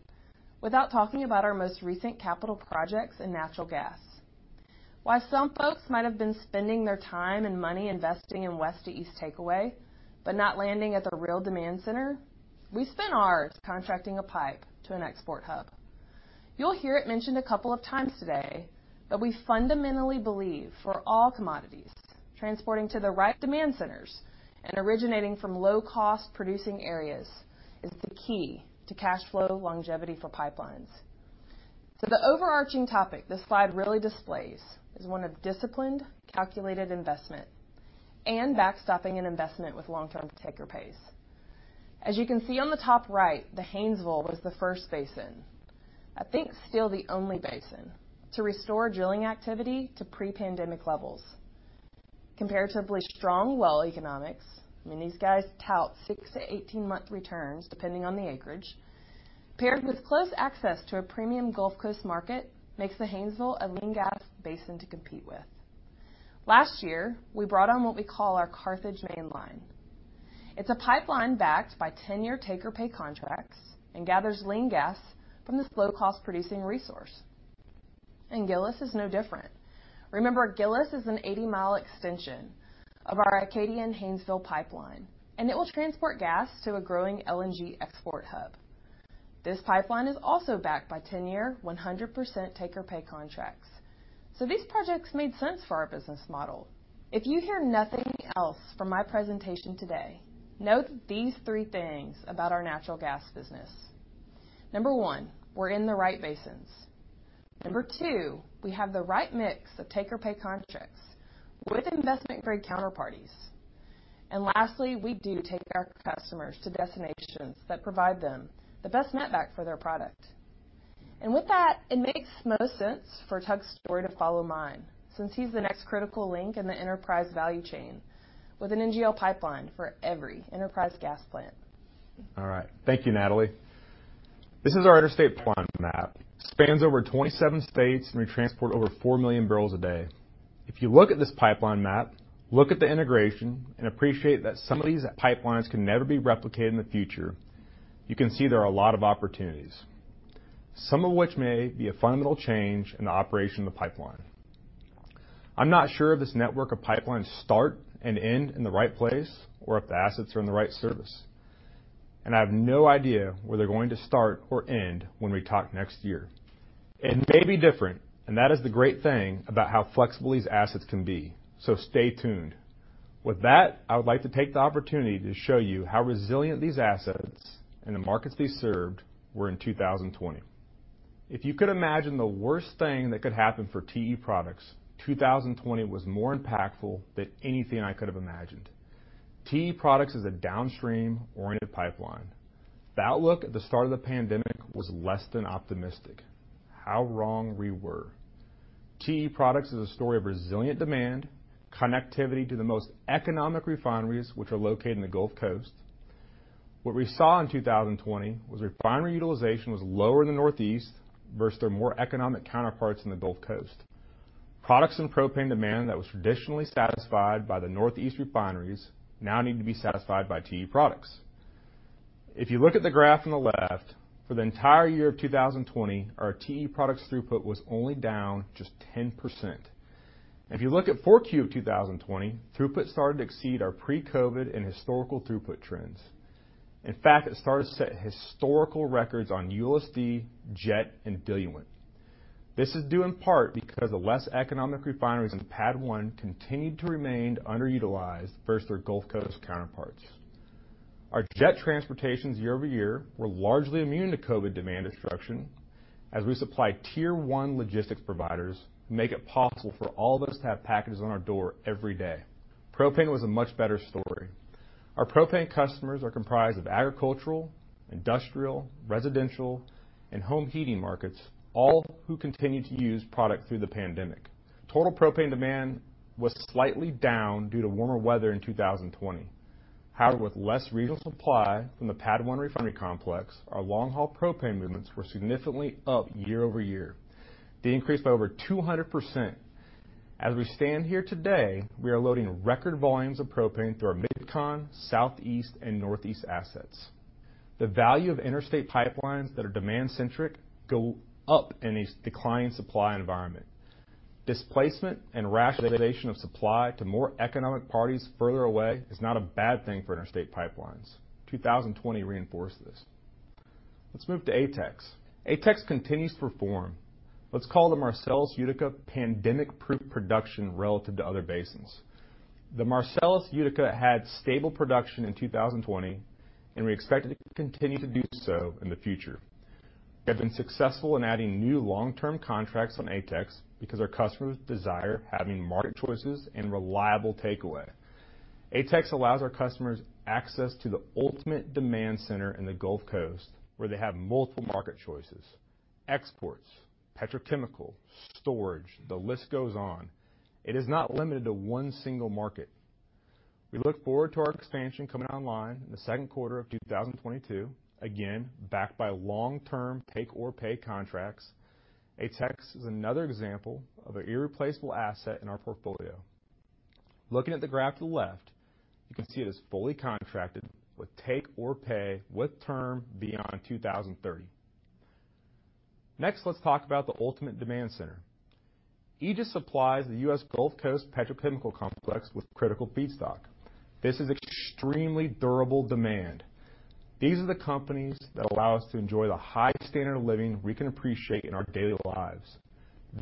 without talking about our most recent capital projects in natural gas. While some folks might have been spending their time and money investing in west-to-east takeaway, but not landing at the real demand center, we spent ours contracting a pipe to an export hub. You'll hear it mentioned a couple of times today that we fundamentally believe for all commodities, transporting to the right demand centers and originating from low-cost producing areas is the key to cash flow longevity for pipelines. The overarching topic this slide really displays is one of disciplined, calculated investment and backstopping an investment with long-term take or pays. As you can see on the top right, the Haynesville was the first basin, I think still the only basin, to restore drilling activity to pre-pandemic levels. Comparatively strong well economics, I mean, these guys tout six to 18-month returns depending on the acreage, paired with close access to a premium Gulf Coast market makes the Haynesville a lean gas basin to compete with. Last year, we brought on what we call our Carthage mainline. It's a pipeline backed by 10-year take or pay contracts and gathers lean gas from this low-cost producing resource. Gillis is no different. Remember, Gillis is an 80 mi extension of our Acadian Haynesville pipeline, and it will transport gas to a growing LNG export hub. This pipeline is also backed by 10-year 100% take or pay contracts. These projects made sense for our business model. If you hear nothing else from my presentation today, note these three things about our Natural Gas business. Number one, we're in the right basins. Number two, we have the right mix of take or pay contracts with investment-grade counterparties. Lastly, we do take our customers to destinations that provide them the best net back for their product. With that, it makes most sense for Tug's story to follow mine, since he's the next critical link in the Enterprise value chain with an NGL pipeline for every Enterprise gas plant. All right. Thank you, Natalie. This is our interstate pipeline map. Spans over 27 states. We transport over 4 MMbpd. If you look at this pipeline map, look at the integration, and appreciate that some of these pipelines can never be replicated in the future, you can see there are a lot of opportunities, some of which may be a fundamental change in the operation of the pipeline. I'm not sure if this network of pipelines start and end in the right place or if the assets are in the right service. I have no idea where they're going to start or end when we talk next year. It may be different, and that is the great thing about how flexible these assets can be. Stay tuned. With that, I would like to take the opportunity to show you how resilient these assets and the markets they served were in 2020. If you could imagine the worst thing that could happen for TE Products, 2020 was more impactful than anything I could have imagined. TE Products is a downstream-oriented pipeline. The outlook at the start of the pandemic was less than optimistic. How wrong we were. TE Products is a story of resilient demand, connectivity to the most economic refineries, which are located in the Gulf Coast. What we saw in 2020 was refinery utilization was lower in the Northeast versus their more economic counterparts in the Gulf Coast. Products and propane demand that was traditionally satisfied by the Northeast refineries now need to be satisfied by TE Products. If you look at the graph on the left, for the entire year of 2020, our TE Products throughput was only down just 10%. If you look at 4Q of 2020, throughput started to exceed our pre-COVID and historical throughput trends. In fact, it started to set historical records on ULSD, jet, and diluent. This is due in part because the less economic refineries in PADD 1 continued to remain underutilized versus their Gulf Coast counterparts. Our jet transportations year-over-year were largely immune to COVID demand destruction as we supply Tier 1 logistics providers who make it possible for all of us to have packages on our door every day. propane was a much better story. Our propane customers are comprised of agricultural, industrial, residential, and home heating markets, all who continued to use product through the pandemic. Total propane demand was slightly down due to warmer weather in 2020. However, with less regional supply from the PADD 1 refinery complex, our long-haul propane movements were significantly up year-over-year. They increased by over 200%. As we stand here today, we are loading record volumes of propane through our MidCon, Southeast, and Northeast assets. The value of interstate pipelines that are demand-centric go up in a declining supply environment. Displacement and rationalization of supply to more economic parties further away is not a bad thing for interstate pipelines. 2020 reinforced this. Let's move to ATEX. ATEX continues to perform. Let's call the Marcellus-Utica pandemic-proof production relative to other basins. The Marcellus-Utica had stable production in 2020, and we expect it to continue to do so in the future. We have been successful in adding new long-term contracts on ATEX because our customers desire having market choices and reliable takeaway. ATEX allows our customers access to the ultimate demand center in the Gulf Coast, where they have multiple market choices, exports, Petrochemical, storage, the list goes on. It is not limited to one single market. We look forward to our expansion coming online in the second quarter of 2022, again, backed by long-term take-or-pay contracts. ATEX is another example of an irreplaceable asset in our portfolio. Looking at the graph to the left, you can see it is fully contracted with take or pay with term beyond 2030. Next, let's talk about the ultimate demand center. Aegis supplies the U.S. Gulf Coast Petrochemical complex with critical feedstock. This is extremely durable demand. These are the companies that allow us to enjoy the high standard of living we can appreciate in our daily lives.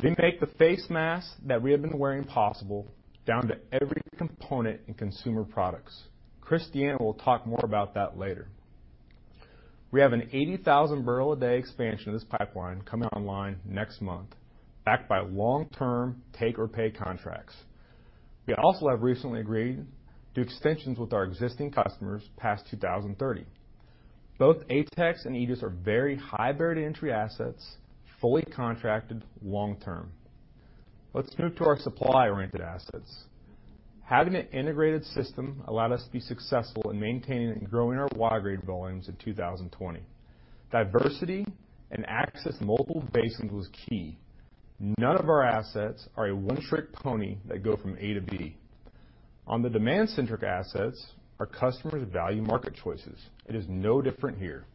They make the face masks that we have been wearing possible, down to every component in consumer products. Chris D'Anna will talk more about that later. We have an 80,000 bpd expansion of this pipeline coming online next month, backed by long-term take-or-pay contracts. We also have recently agreed to extensions with our existing customers past 2030. Both ATEX and Aegis are very high barrier to entry assets, fully contracted long-term. Let's move to our supply-oriented assets. Having an integrated system allowed us to be successful in maintaining and growing our waterborne volumes in 2020. Diversity and access to multiple basins was key. None of our assets are a one-trick pony that go from A to B. On the demand-centric assets, our customers value market choices. It is no different here.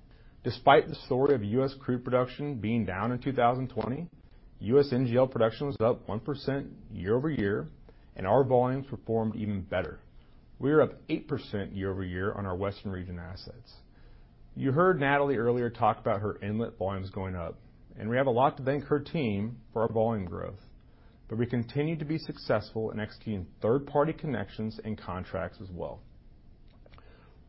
Despite the story of U.S. crude production being down in 2020, U.S. NGL production was up 1% year-over-year, and our volumes performed even better. We are up 8% year-over-year on our Western region assets. You heard Natalie earlier talk about her inlet volumes going up, and we have a lot to thank her team for our volume growth. We continue to be successful in executing third-party connections and contracts as well.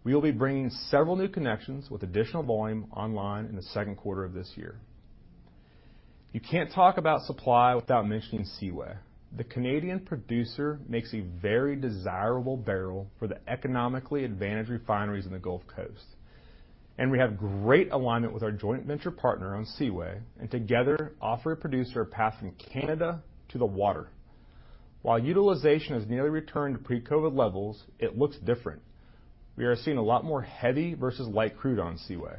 We will be bringing several new connections with additional volume online in the second quarter of this year. You can't talk about supply without mentioning Seaway. The Canadian producer makes a very desirable barrel for the economically advantaged refineries in the Gulf Coast. We have great alignment with our joint venture partner on Seaway, and together offer a producer a path from Canada to the water. While utilization has nearly returned to pre-COVID levels, it looks different. We are seeing a lot more heavy versus light crude on Seaway.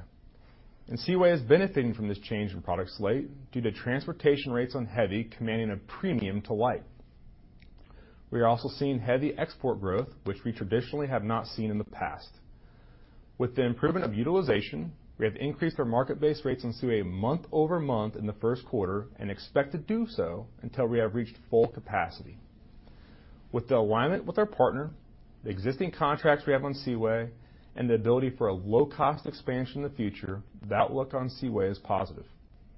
Seaway is benefiting from this change in product slate due to transportation rates on heavy commanding a premium to light. We are also seeing heavy export growth, which we traditionally have not seen in the past. With the improvement of utilization, we have increased our market-based rates on Seaway month-over-month in the first quarter and expect to do so until we have reached full capacity. With the alignment with our partner, the existing contracts we have on Seaway, and the ability for a low-cost expansion in the future, the outlook on Seaway is positive.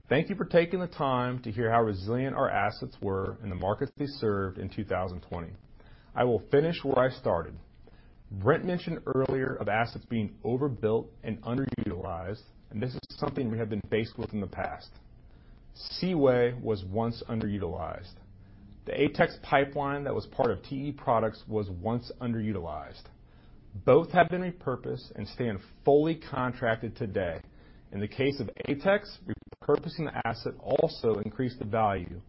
Thank you for taking the time to hear how resilient our assets were in the markets they served in 2020. I will finish where I started. Brent mentioned earlier of assets being overbuilt and underutilized, and this is something we have been faced with in the past. Seaway was once underutilized. The ATEX pipeline that was part of TE Products was once underutilized. Both have been repurposed and stand fully contracted today. In the case of ATEX, repurposing the asset also increased the value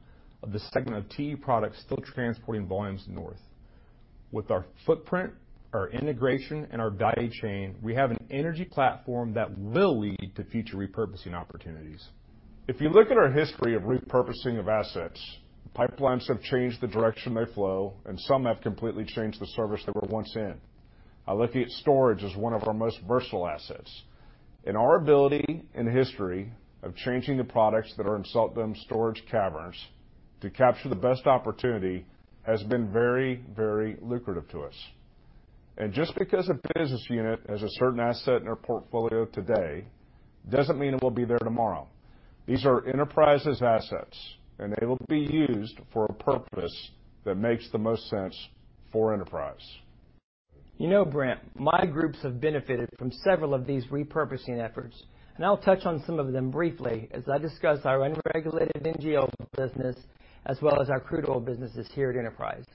of the segment of TE Products still transporting volumes north. With our footprint, our integration, and our value chain, we have an energy platform that will lead to future repurposing opportunities. If you look at our history of repurposing of assets, pipelines have changed the direction they flow, and some have completely changed the service they were once in. I look at storage as one of our most versatile assets. Our ability and history of changing the products that are in salt dome storage caverns to capture the best opportunity has been very, very lucrative to us. Just because a business unit has a certain asset in their portfolio today doesn't mean it will be there tomorrow. These are Enterprise's assets, and they will be used for a purpose that makes the most sense for Enterprise. You know, Brent, my groups have benefited from several of these repurposing efforts, and I'll touch on some of them briefly as I discuss our unregulated NGL business as well as our Crude Oil businesses here at Enterprise.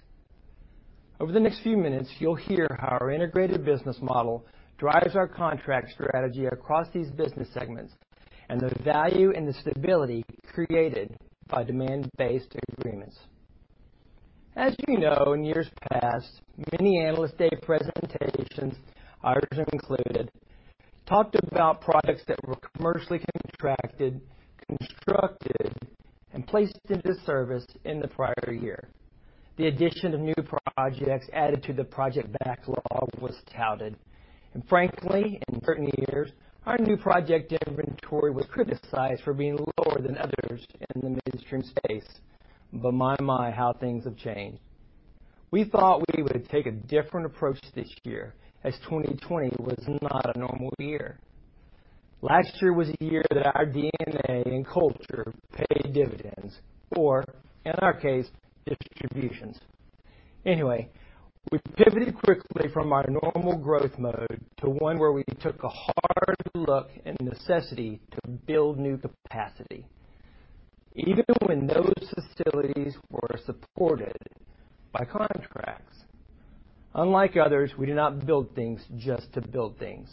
Over the next few minutes, you'll hear how our integrated business model drives our contract strategy across these business segments and the value and the stability created by demand-based agreements. As you know, in years past, many Analyst Day presentations, ours included, talked about projects that were commercially contracted, constructed, and placed into service in the prior year. Frankly, in certain years, our new project inventory was criticized for being lower than others in the midstream space. My, how things have changed. We thought we would take a different approach this year, as 2020 was not a normal year. Last year was a year that our DNA and culture paid dividends or, in our case, distributions. Anyway, we pivoted quickly from our normal growth mode to one where we took a hard look and necessity to build new capacity, even when those facilities were supported by contracts. Unlike others, we do not build things just to build things.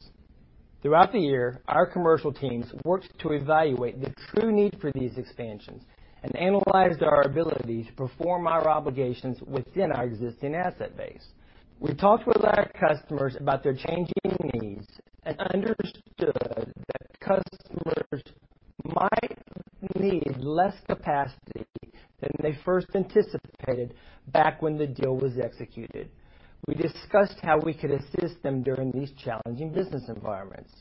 Throughout the year, our Commercial teams worked to evaluate the true need for these expansions and analyzed our ability to perform our obligations within our existing asset base. We talked with our customers about their changing needs and understood that customers might need less capacity than they first anticipated back when the deal was executed. We discussed how we could assist them during these challenging business environments.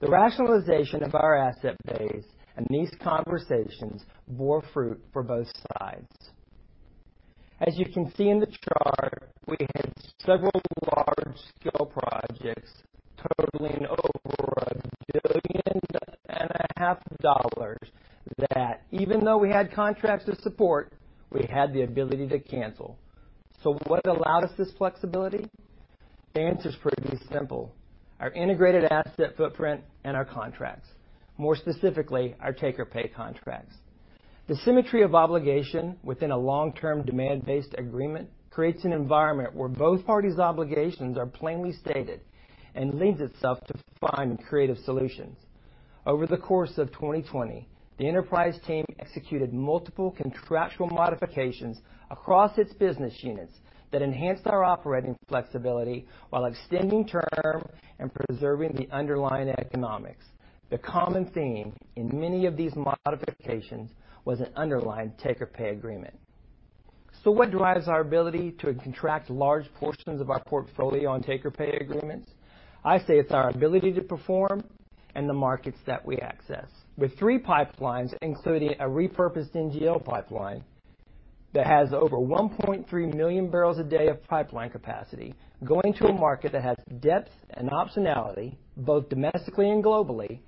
The rationalization of our asset base and these conversations bore fruit for both sides. As you can see in the chart, we had several large-scale projects totaling over a billion and a half dollars that even though we had contracts to support, we had the ability to cancel. What allowed us this flexibility? The answer is pretty simple. Our integrated asset footprint and our contracts. More specifically, our take-or-pay contracts. The symmetry of obligation within a long-term demand-based agreement creates an environment where both parties' obligations are plainly stated and lends itself to find creative solutions. Over the course of 2020, the Enterprise team executed multiple contractual modifications across its business units that enhanced our operating flexibility while extending term and preserving the underlying economics. The common theme in many of these modifications was an underlying take-or-pay agreement. What drives our ability to contract large portions of our portfolio on take-or-pay agreements? I say it's our ability to perform and the markets that we access. With three pipelines, including a repurposed NGL pipeline that has over 1.3 MMbpd of pipeline capacity going to a market that has depth and optionality, both domestically and globally,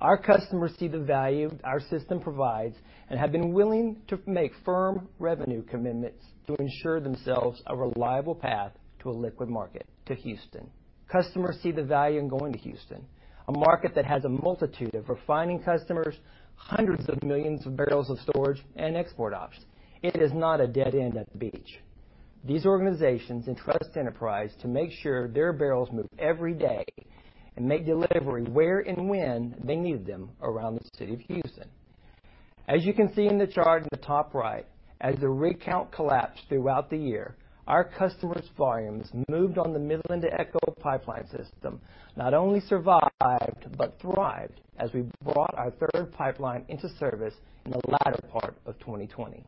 our customers see the value our system provides and have been willing to make firm revenue commitments to ensure themselves a reliable path to a liquid market, to Houston. Customers see the value in going to Houston, a market that has a multitude of refining customers, hundreds of millions of barrels of storage, and export options. It is not a dead end at the beach. These organizations entrust Enterprise to make sure their barrels move every day and make delivery where and when they need them around the city of Houston. As you can see in the chart in the top right, as the rig count collapsed throughout the year, our customers' volumes moved on the Midland-to-ECHO pipeline system not only survived but thrived as we brought our third pipeline into service in the latter part of 2020.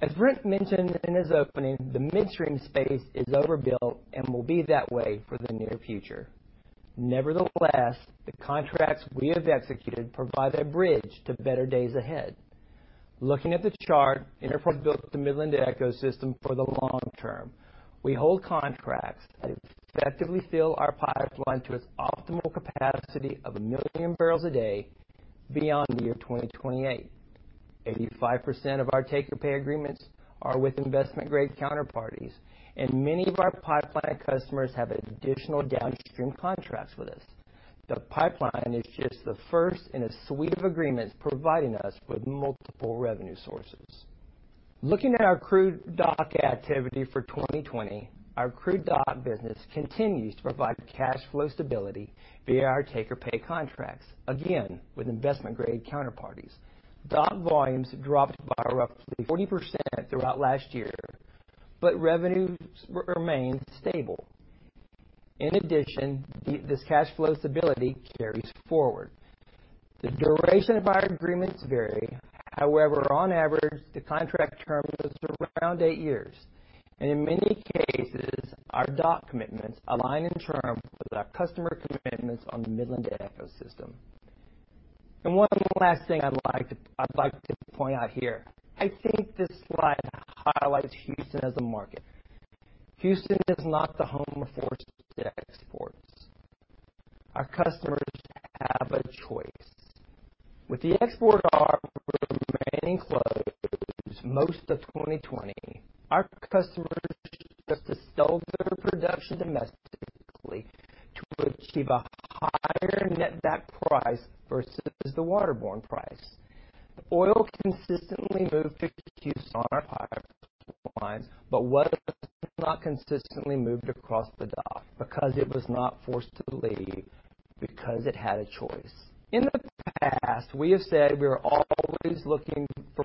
As Brent mentioned in his opening, the midstream space is overbuilt and will be that way for the near future. Nevertheless, the contracts we have executed provide a bridge to better days ahead. Looking at the chart, Enterprise built the Midland-to-ECHO system for the long term. We hold contracts that effectively fill our pipeline to its optimal capacity of 1 MMbpd beyond the year 2028. 85% of our take-or-pay agreements are with investment-grade counterparties, and many of our pipeline customers have additional downstream contracts with us. The pipeline is just the first in a suite of agreements providing us with multiple revenue sources. Looking at our crude dock activity for 2020, our crude dock business continues to provide cash flow stability via our take-or-pay contracts, again, with investment-grade counterparties. Dock volumes dropped by roughly 40% throughout last year, but revenues remained stable. In addition, this cash flow stability carries forward. The duration of our agreements vary. However, on average, the contract term is around eight years, and in many cases, our dock commitments align in term with our customer commitments on the Midland-to-ECHO system. One last thing I'd like to point out here. I think this slide highlights Houston as a market. Houston is not the home of forced exports. Our customers have a choice. With the export arm remaining closed most of 2020, our customers chose to sell their production domestically to achieve a higher netback price versus the waterborne price. Oil consistently moved to Houston on our pipelines but was not consistently moved across the dock because it was not forced to leave. Because it had a choice. In the past, we have said we are always looking for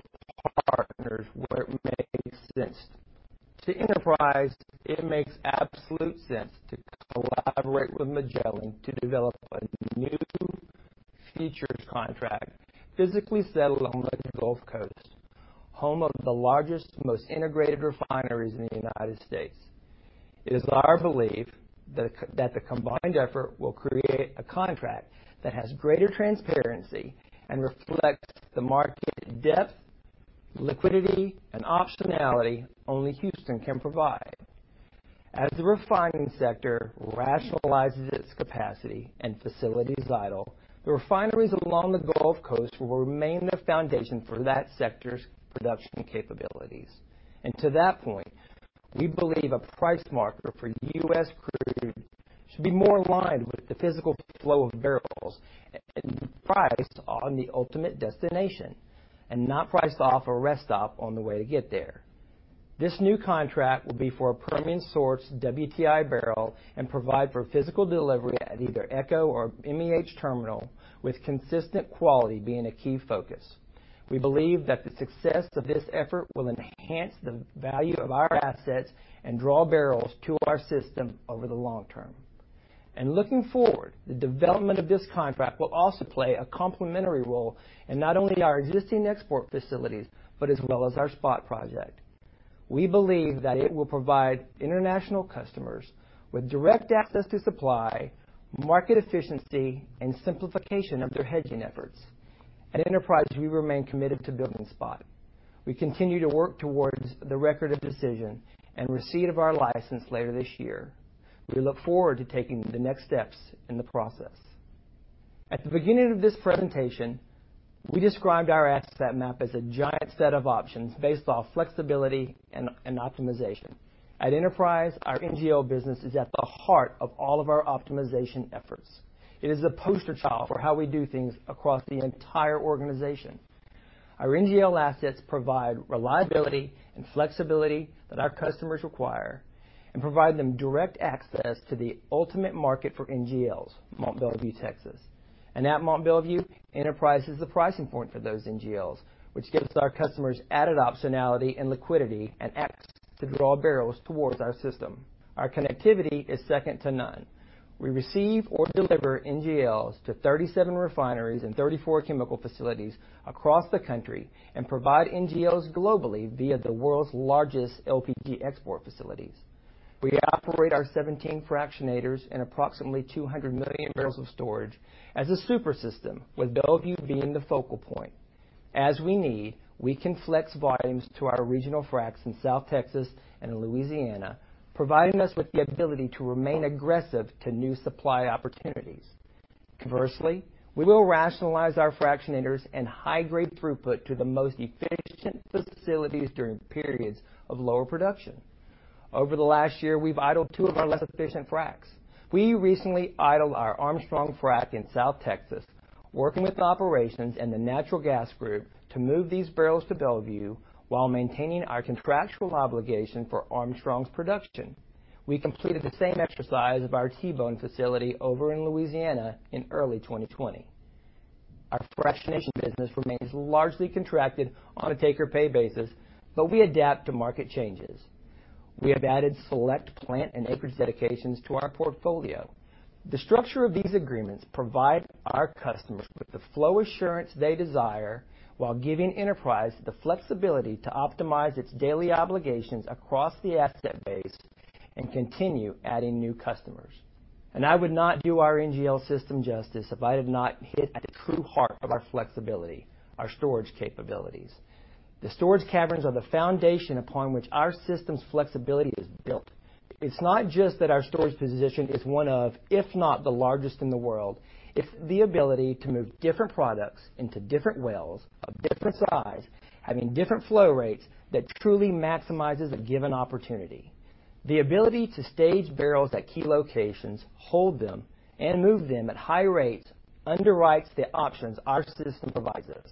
partners where it makes sense. To Enterprise, it makes absolute sense to collaborate with Magellan to develop a new futures contract physically settled on the Gulf Coast, home of the largest, most integrated refineries in the United States. It is our belief that the combined effort will create a contract that has greater transparency and reflects the market depth, liquidity, and optionality only Houston can provide. As the refining sector rationalizes its capacity and facilities idle, the refineries along the Gulf Coast will remain the foundation for that sector's production capabilities. To that point, we believe a price marker for U.S. crude should be more aligned with the physical flow of barrels and priced on the ultimate destination, and not priced off a rest stop on the way to get there. This new contract will be for a premium-source WTI barrel and provide for physical delivery at either ECHO or MEH Terminal, with consistent quality being a key focus. We believe that the success of this effort will enhance the value of our assets and draw barrels to our system over the long term. Looking forward, the development of this contract will also play a complementary role in not only our existing export facilities, but as well as our SPOT project. We believe that it will provide international customers with direct access to supply, market efficiency, and simplification of their hedging efforts. At Enterprise, we remain committed to building SPOT. We continue to work towards the record of decision and receipt of our license later this year. We look forward to taking the next steps in the process. At the beginning of this presentation, we described our asset map as a giant set of options based off flexibility and optimization. At Enterprise, our NGL business is at the heart of all of our optimization efforts. It is the poster child for how we do things across the entire organization. Our NGL assets provide reliability and flexibility that our customers require and provide them direct access to the ultimate market for NGLs, Mont Belvieu, Texas. At Mont Belvieu, Enterprise is the pricing point for those NGLs, which gives our customers added optionality and liquidity and acts to draw barrels towards our system. Our connectivity is second to none. We receive or deliver NGLs to 37 refineries and 34 chemical facilities across the country and provide NGLs globally via the world's largest LPG export facilities. We operate our 17 fractionators and approximately 200 MMbbl of storage as a super system, with Belvieu being the focal point. As we need, we can flex volumes to our regional fracs in South Texas and Louisiana, providing us with the ability to remain aggressive to new supply opportunities. Conversely, we will rationalize our fractionators and high-grade throughput to the most efficient facilities during periods of lower production. Over the last year, we've idled two of our less efficient fracs. We recently idled our Armstrong frac in South Texas, working with operations and the natural gas group to move these barrels to Belvieu while maintaining our contractual obligation for Armstrong's production. We completed the same exercise of our Tebone facility over in Louisiana in early 2020. Our fractionation business remains largely contracted on a take-or-pay basis, though we adapt to market changes. We have added select plant and acreage dedications to our portfolio. The structure of these agreements provide our customers with the flow assurance they desire while giving Enterprise the flexibility to optimize its daily obligations across the asset base and continue adding new customers. I would not do our NGL system justice if I did not hit at the true heart of our flexibility, our storage capabilities. The storage caverns are the foundation upon which our system's flexibility is built. It's not just that our storage position is one of, if not the largest in the world, it's the ability to move different products into different wells of different size, having different flow rates that truly maximizes a given opportunity. The ability to stage barrels at key locations, hold them, and move them at high rates underwrites the options our system provides us.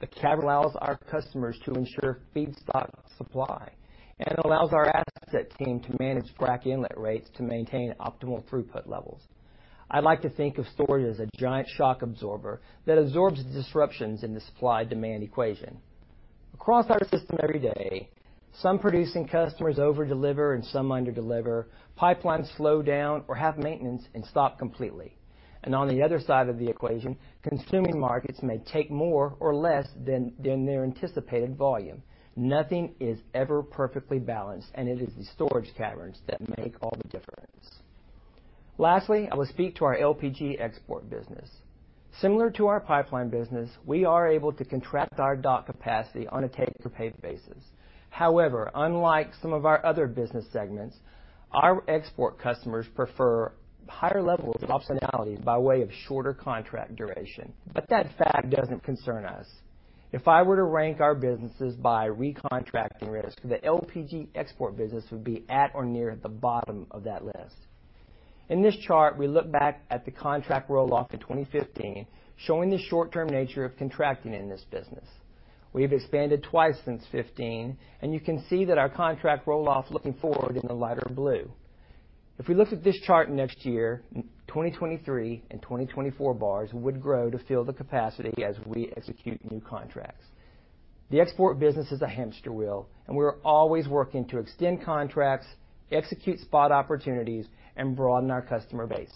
The cavern allows our customers to ensure feedstock supply and allows our asset team to manage frac inlet rates to maintain optimal throughput levels. I like to think of storage as a giant shock absorber that absorbs the disruptions in the supply-demand equation. Across our system every day, some producing customers over-deliver and some under-deliver, pipelines slow down or have maintenance and stop completely. On the other side of the equation, consuming markets may take more or less than their anticipated volume. Nothing is ever perfectly balanced. It is the storage caverns that make all the difference. Lastly, I will speak to our LPG export business. Similar to our Pipeline business, we are able to contract our dock capacity on a take-or-pay basis. Unlike some of our other business segments, our export customers prefer higher levels of optionality by way of shorter contract duration. That fact doesn't concern us. If I were to rank our businesses by recontracting risk, the LPG export business would be at or near the bottom of that list. In this chart, we look back at the contract roll-off in 2015, showing the short-term nature of contracting in this business. We have expanded twice since 2015. You can see that our contract roll-off looking forward in the lighter blue. If we looked at this chart next year, 2023 and 2024 bars would grow to fill the capacity as we execute new contracts. The export business is a hamster wheel, and we're always working to extend contracts, execute SPOT opportunities, and broaden our customer base.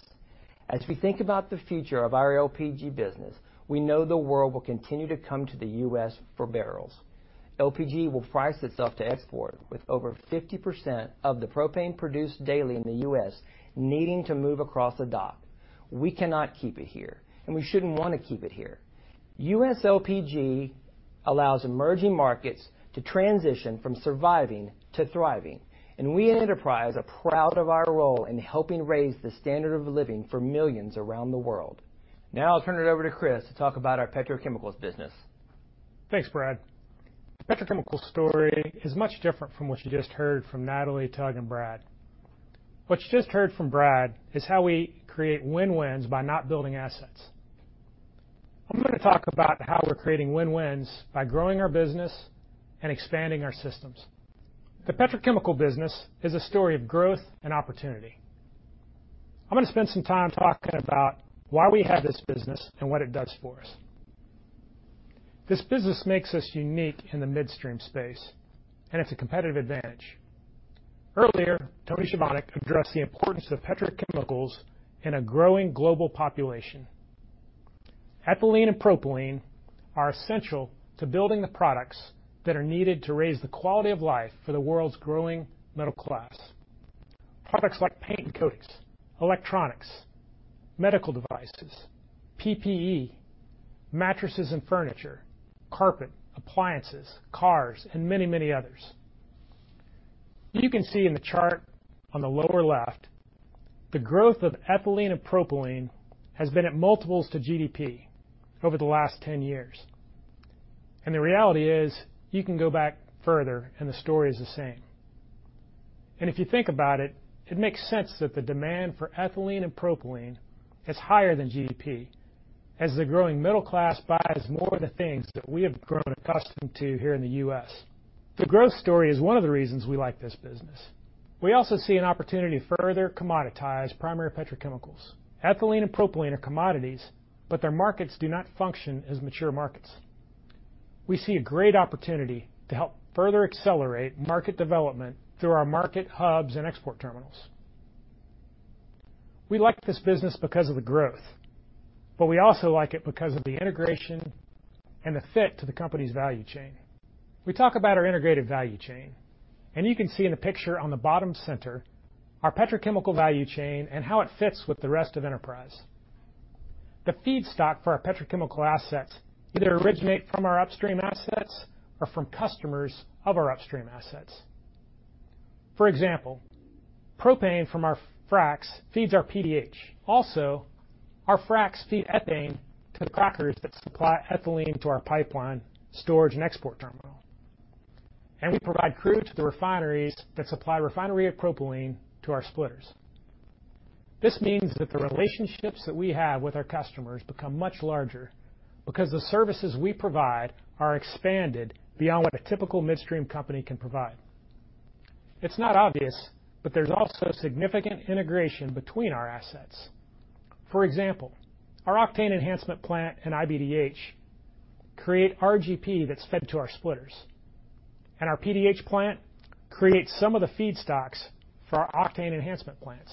As we think about the future of our LPG business, we know the world will continue to come to the U.S. for barrels. LPG will price itself to export with over 50% of the propane produced daily in the U.S. needing to move across the dock. We cannot keep it here, and we shouldn't want to keep it here. U.S. LPG allows emerging markets to transition from surviving to thriving, and we at Enterprise are proud of our role in helping raise the standard of living for millions around the world. Now I'll turn it over to Chris to talk about our Petrochemicals business. Thanks, Brad. petrochemicals story is much different from what you just heard from Natalie, Tug, and Brad. What you just heard from Brad is how we create win-wins by not building assets. I'm going to talk about how we're creating win-wins by growing our business and expanding our systems. The Petrochemical business is a story of growth and opportunity. I'm going to spend some time talking about why we have this business and what it does for us. This business makes us unique in the midstream space, and it's a competitive advantage. Earlier, Tony Chovanec addressed the importance of petrochemicals in a growing global population. Ethylene and propylene are essential to building the products that are needed to raise the quality of life for the world's growing middle class. Products like paint and coatings, electronics, medical devices, PPE, mattresses and furniture, carpet, appliances, cars, and many, many others. You can see in the chart on the lower left, the growth of ethylene and propylene has been at multiples to GDP over the last 10 years. The reality is, you can go back further and the story is the same. If you think about it makes sense that the demand for ethylene and propylene is higher than GDP, as the growing middle class buys more of the things that we have grown accustomed to here in the U.S. The growth story is one of the reasons we like this business. We also see an opportunity to further commoditize primary petrochemicals. Ethylene and propylene are commodities, but their markets do not function as mature markets. We see a great opportunity to help further accelerate market development through our market hubs and export terminals. We like this business because of the growth, but we also like it because of the integration and the fit to the company's value chain. We talk about our integrated value chain, and you can see in the picture on the bottom center, our Petrochemical value chain and how it fits with the rest of Enterprise. The feedstock for our Petrochemical assets either originate from our upstream assets or from customers of our upstream assets. For example, propane from our fracs feeds our PDH. Our fracs feed ethane to the crackers that supply ethylene to our pipeline storage and export terminal. We provide crude to the refineries that supply refinery propylene to our splitters. This means that the relationships that we have with our customers become much larger because the services we provide are expanded beyond what a typical midstream company can provide. It's not obvious, but there's also significant integration between our assets. For example, our octane enhancement plant and iBDH create RGP that's fed to our splitters. Our PDH plant creates some of the feedstocks for our octane enhancement plants.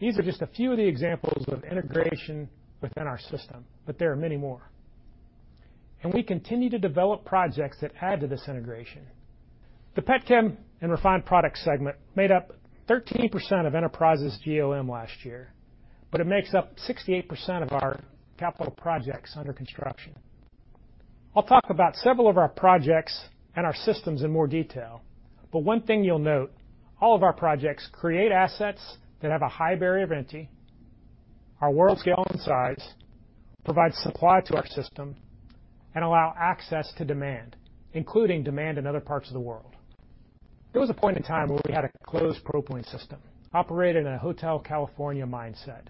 These are just a few of the examples of integration within our system, but there are many more. We continue to develop projects that add to this integration. The Pet Chem & Refined Product segment made up 13% of Enterprise's GOM last year, but it makes up 68% of our capital projects under construction. I'll talk about several of our projects and our systems in more detail, but one thing you'll note, all of our projects create assets that have a high barrier of entry, are world-scale in size, provide supply to our system, and allow access to demand, including demand in other parts of the world. There was a point in time where we had a closed propylene system, operating in a Hotel California mindset,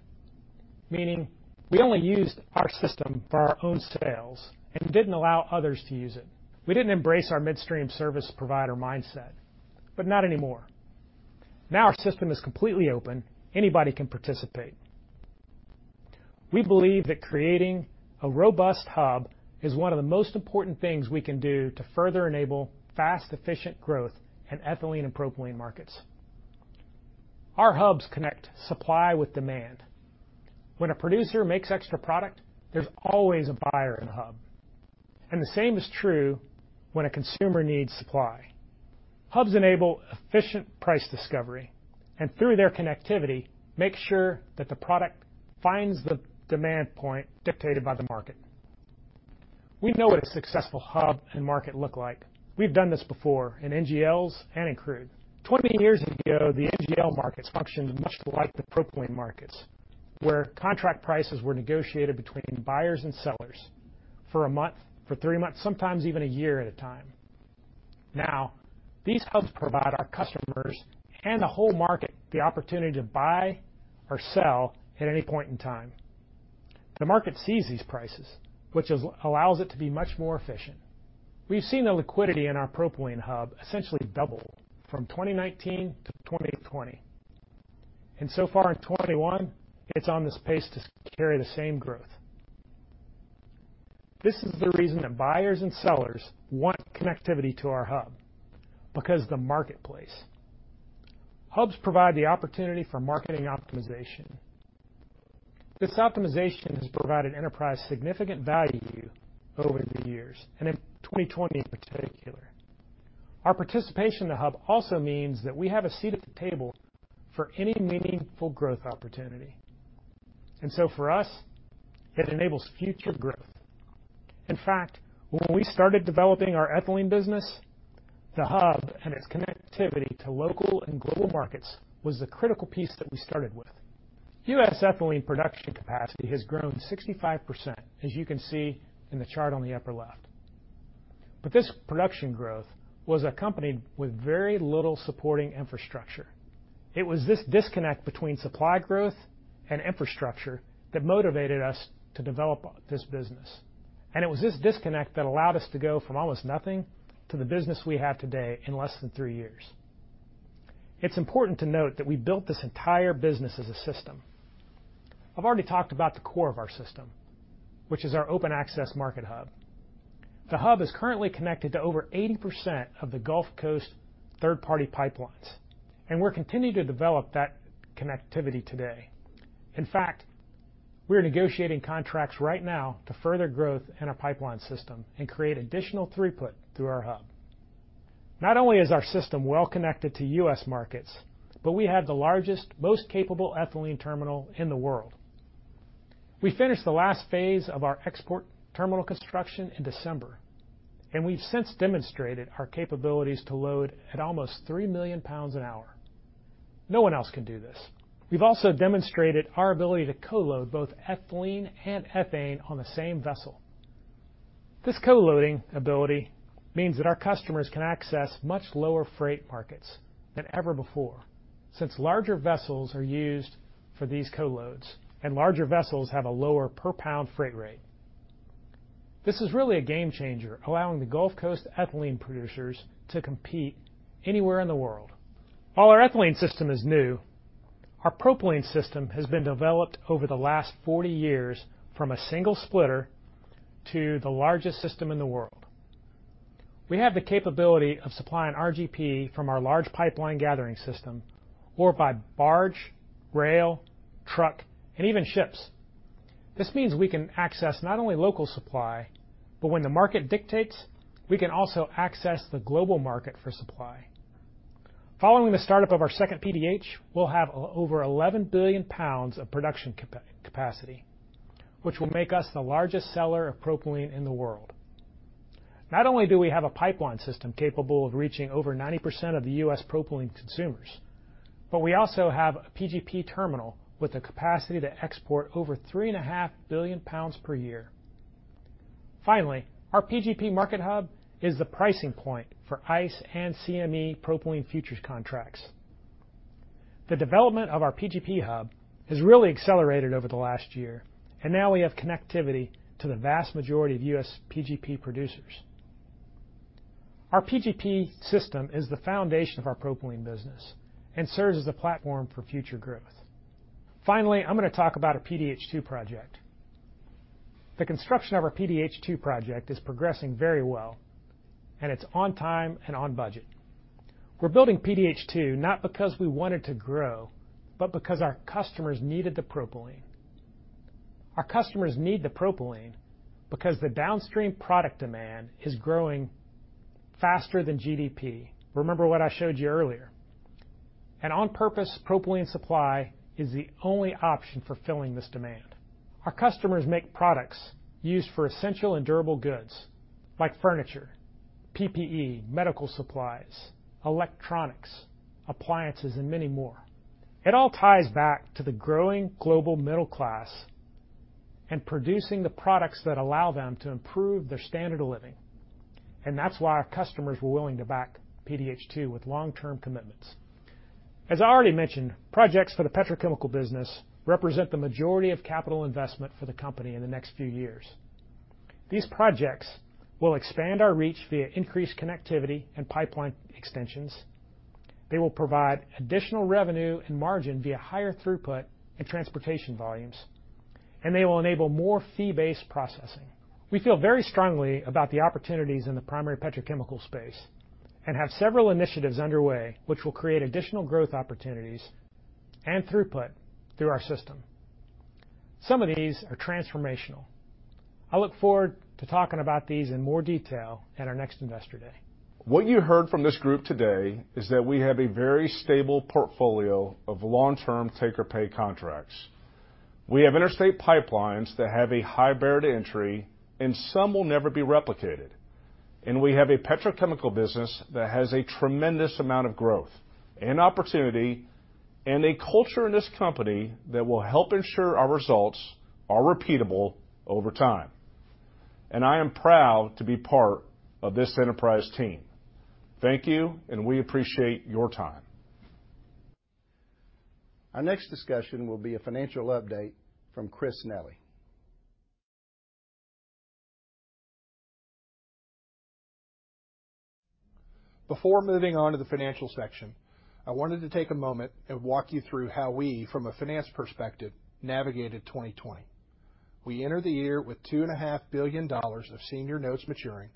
meaning we only used our system for our own sales and didn't allow others to use it. We didn't embrace our midstream service provider mindset, but not anymore. Now our system is completely open. Anybody can participate. We believe that creating a robust hub is one of the most important things we can do to further enable fast, efficient growth in ethylene and propylene markets. Our hubs connect supply with demand. When a producer makes extra product, there's always a buyer in a hub, and the same is true when a consumer needs supply. Hubs enable efficient price discovery, and through their connectivity, make sure that the product finds the demand point dictated by the market. We know what a successful hub and market look like. We've done this before in NGLs and in crude. 20 years ago, the NGL markets functioned much like the propylene markets, where contract prices were negotiated between buyers and sellers for a month, for three months, sometimes even a year at a time. These hubs provide our customers and the whole market the opportunity to buy or sell at any point in time. The market sees these prices, which allows it to be much more efficient. We've seen the liquidity in our propylene hub essentially double from 2019 to 2020. So far in 2021, it's on this pace to carry the same growth. This is the reason that buyers and sellers want connectivity to our hub, because the marketplace. Hubs provide the opportunity for marketing optimization. This optimization has provided Enterprise significant value over the years. In 2020 in particular. Our participation in the hub also means that we have a seat at the table for any meaningful growth opportunity. For us, it enables future growth. In fact, when we started developing our ethylene business, the hub and its connectivity to local and global markets was the critical piece that we started with. U.S. ethylene production capacity has grown 65%, as you can see in the chart on the upper left. This production growth was accompanied with very little supporting infrastructure. It was this disconnect between supply growth and infrastructure that motivated us to develop this business. It was this disconnect that allowed us to go from almost nothing to the business we have today in less than three years. It's important to note that we built this entire business as a system. I've already talked about the core of our system, which is our open-access market hub. The hub is currently connected to over 80% of the Gulf Coast third-party pipelines. We're continuing to develop that connectivity today. In fact, we're negotiating contracts right now to further growth in our pipeline system and create additional throughput through our hub. Not only is our system well connected to U.S. markets, we have the largest, most capable ethylene terminal in the world. We finished the last phase of our export terminal construction in December. We've since demonstrated our capabilities to load at almost 3 million lbs an hour. No one else can do this. We've also demonstrated our ability to co-load both ethylene and ethane on the same vessel. This co-loading ability means that our customers can access much lower freight markets than ever before, since larger vessels are used for these co-loads, and larger vessels have a lower per-pound freight rate. This is really a game changer, allowing the Gulf Coast ethylene producers to compete anywhere in the world. While our ethylene system is new, our propylene system has been developed over the last 40 years from a single splitter to the largest system in the world. We have the capability of supplying RGP from our large pipeline gathering system or by barge, rail, truck, and even ships. This means we can access not only local supply, but when the market dictates, we can also access the global market for supply. Following the startup of our second PDH, we'll have over 11 billion lbs of production capacity, which will make us the largest seller of propylene in the world. Not only do we have a pipeline system capable of reaching over 90% of the U.S. propylene consumers, but we also have a PGP terminal with the capacity to export over 3.5 billion lbs per year. Finally, our PGP market hub is the pricing point for ICE and CME propylene futures contracts. The development of our PGP hub has really accelerated over the last year, and now we have connectivity to the vast majority of U.S. PGP producers. Our PGP system is the foundation of our propylene business and serves as the platform for future growth. Finally, I'm going to talk about our PDH 2 project. The construction of our PDH 2 project is progressing very well, and it's on time and on budget. We're building PDH 2 not because we wanted to grow, but because our customers needed the propylene. Our customers need the propylene because the downstream product demand is growing faster than GDP. Remember what I showed you earlier. An on-purpose propylene supply is the only option for filling this demand. Our customers make products used for essential and durable goods, like furniture, PPE, medical supplies, electronics, appliances, and many more. It all ties back to the growing global middle class and producing the products that allow them to improve their standard of living, and that's why our customers were willing to back PDH 2 with long-term commitments. As I already mentioned, projects for the Petrochemical business represent the majority of capital investment for the company in the next few years. These projects will expand our reach via increased connectivity and pipeline extensions, they will provide additional revenue and margin via higher throughput and transportation volumes, and they will enable more fee-based processing. We feel very strongly about the opportunities in the primary Petrochemical space and have several initiatives underway which will create additional growth opportunities and throughput through our system. Some of these are transformational. I look forward to talking about these in more detail at our next Investor Day. What you heard from this group today is that we have a very stable portfolio of long-term take-or-pay contracts. We have interstate pipelines that have a high barrier to entry, and some will never be replicated. We have a Petrochemical business that has a tremendous amount of growth and opportunity. A culture in this company that will help ensure our results are repeatable over time. I am proud to be part of this Enterprise team. Thank you, and we appreciate your time. Our next discussion will be a financial update from Chris Nelly. Before moving on to the financial section, I wanted to take a moment and walk you through how we, from a finance perspective, navigated 2020. We entered the year with $2.5 billion of senior notes maturing.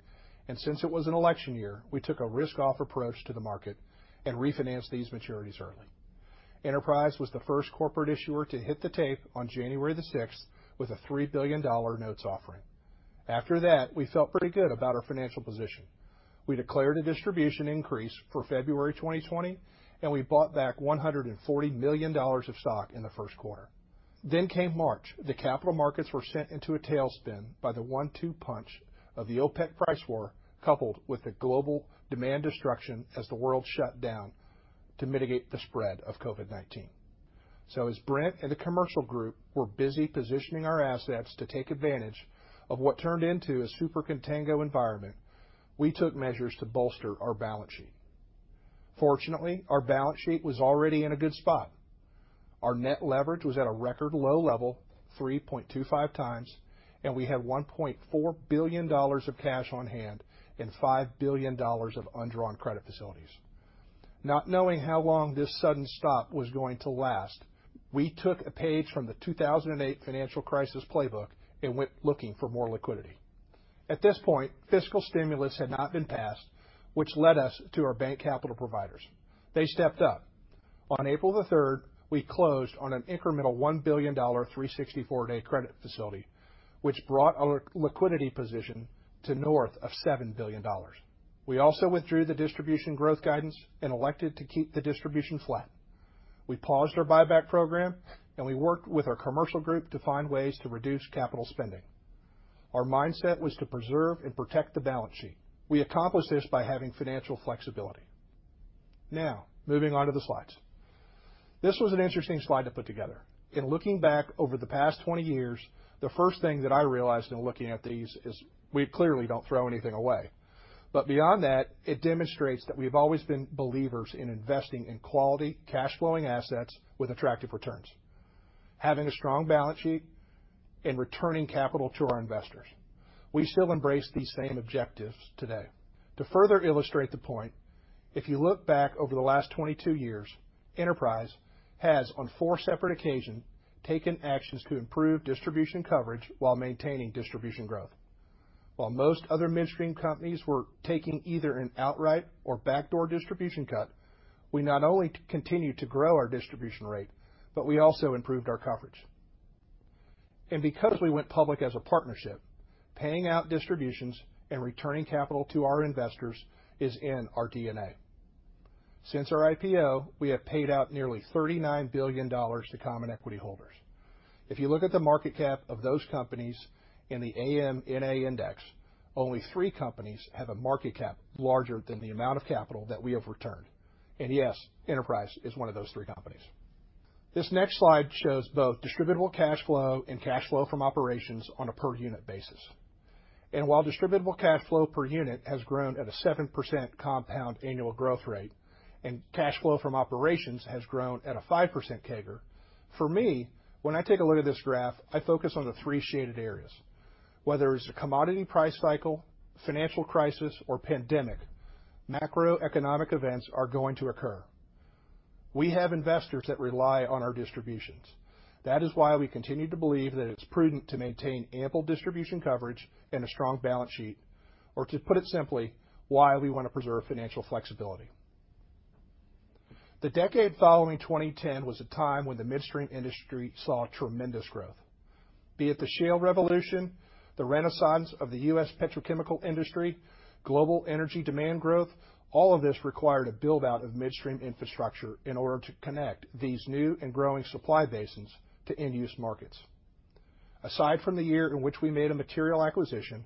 Since it was an election year, we took a risk-off approach to the market and refinanced these maturities early. Enterprise was the first corporate issuer to hit the tape on January the 6th with a $3 billion notes offering. After that, we felt pretty good about our financial position. We declared a distribution increase for February 2020. We bought back $140 million of stock in the first quarter. Came March. The capital markets were sent into a tailspin by the one-two punch of the OPEC price war, coupled with the global demand destruction as the world shut down to mitigate the spread of COVID-19. As Brent and the Commercial group were busy positioning our assets to take advantage of what turned into a super contango environment, we took measures to bolster our balance sheet. Fortunately, our balance sheet was already in a good spot. Our net leverage was at a record low level, 3.25x, and we had $1.4 billion of cash on hand and $5 billion of undrawn credit facilities. Not knowing how long this sudden stop was going to last, we took a page from the 2008 financial crisis playbook and went looking for more liquidity. At this point, fiscal stimulus had not been passed, which led us to our bank capital providers. They stepped up. On April 3rd, we closed on an incremental $1 billion 364-day credit facility, which brought our liquidity position to north of $7 billion. We also withdrew the distribution growth guidance and elected to keep the distribution flat. We paused our buyback program. We worked with our Commercial group to find ways to reduce capital spending. Our mindset was to preserve and protect the balance sheet. We accomplished this by having financial flexibility. Moving on to the slides. This was an interesting slide to put together. In looking back over the past 20 years, the first thing that I realized in looking at these is we clearly don't throw anything away. Beyond that, it demonstrates that we've always been believers in investing in quality, cash-flowing assets with attractive returns, having a strong balance sheet, and returning capital to our investors. We still embrace these same objectives today. To further illustrate the point, if you look back over the last 22 years, Enterprise has, on four separate occasions, taken actions to improve distribution coverage while maintaining distribution growth. While most other midstream companies were taking either an outright or backdoor distribution cut, we not only continued to grow our distribution rate, but we also improved our coverage. Because we went public as a partnership, paying out distributions and returning capital to our investors is in our DNA. Since our IPO, we have paid out nearly $39 billion to common equity holders. If you look at the market cap of those companies in the AMNA index, only three companies have a market cap larger than the amount of capital that we have returned. Yes, Enterprise is one of those three companies. This next slide shows both distributable cash flow and cash flow from operations on a per-unit basis. While distributable cash flow per unit has grown at a 7% compound annual growth rate, and cash flow from operations has grown at a 5% CAGR, for me, when I take a look at this graph, I focus on the three shaded areas. Whether it's a commodity price cycle, financial crisis, or pandemic, macroeconomic events are going to occur. We have investors that rely on our distributions. That is why we continue to believe that it's prudent to maintain ample distribution coverage and a strong balance sheet, or to put it simply, why we want to preserve financial flexibility. The decade following 2010 was a time when the midstream industry saw tremendous growth. Be it the shale revolution, the renaissance of the U.S. Petrochemical industry, global energy demand growth, all of this required a build-out of midstream infrastructure in order to connect these new and growing supply basins to end-use markets. Aside from the year in which we made a material acquisition,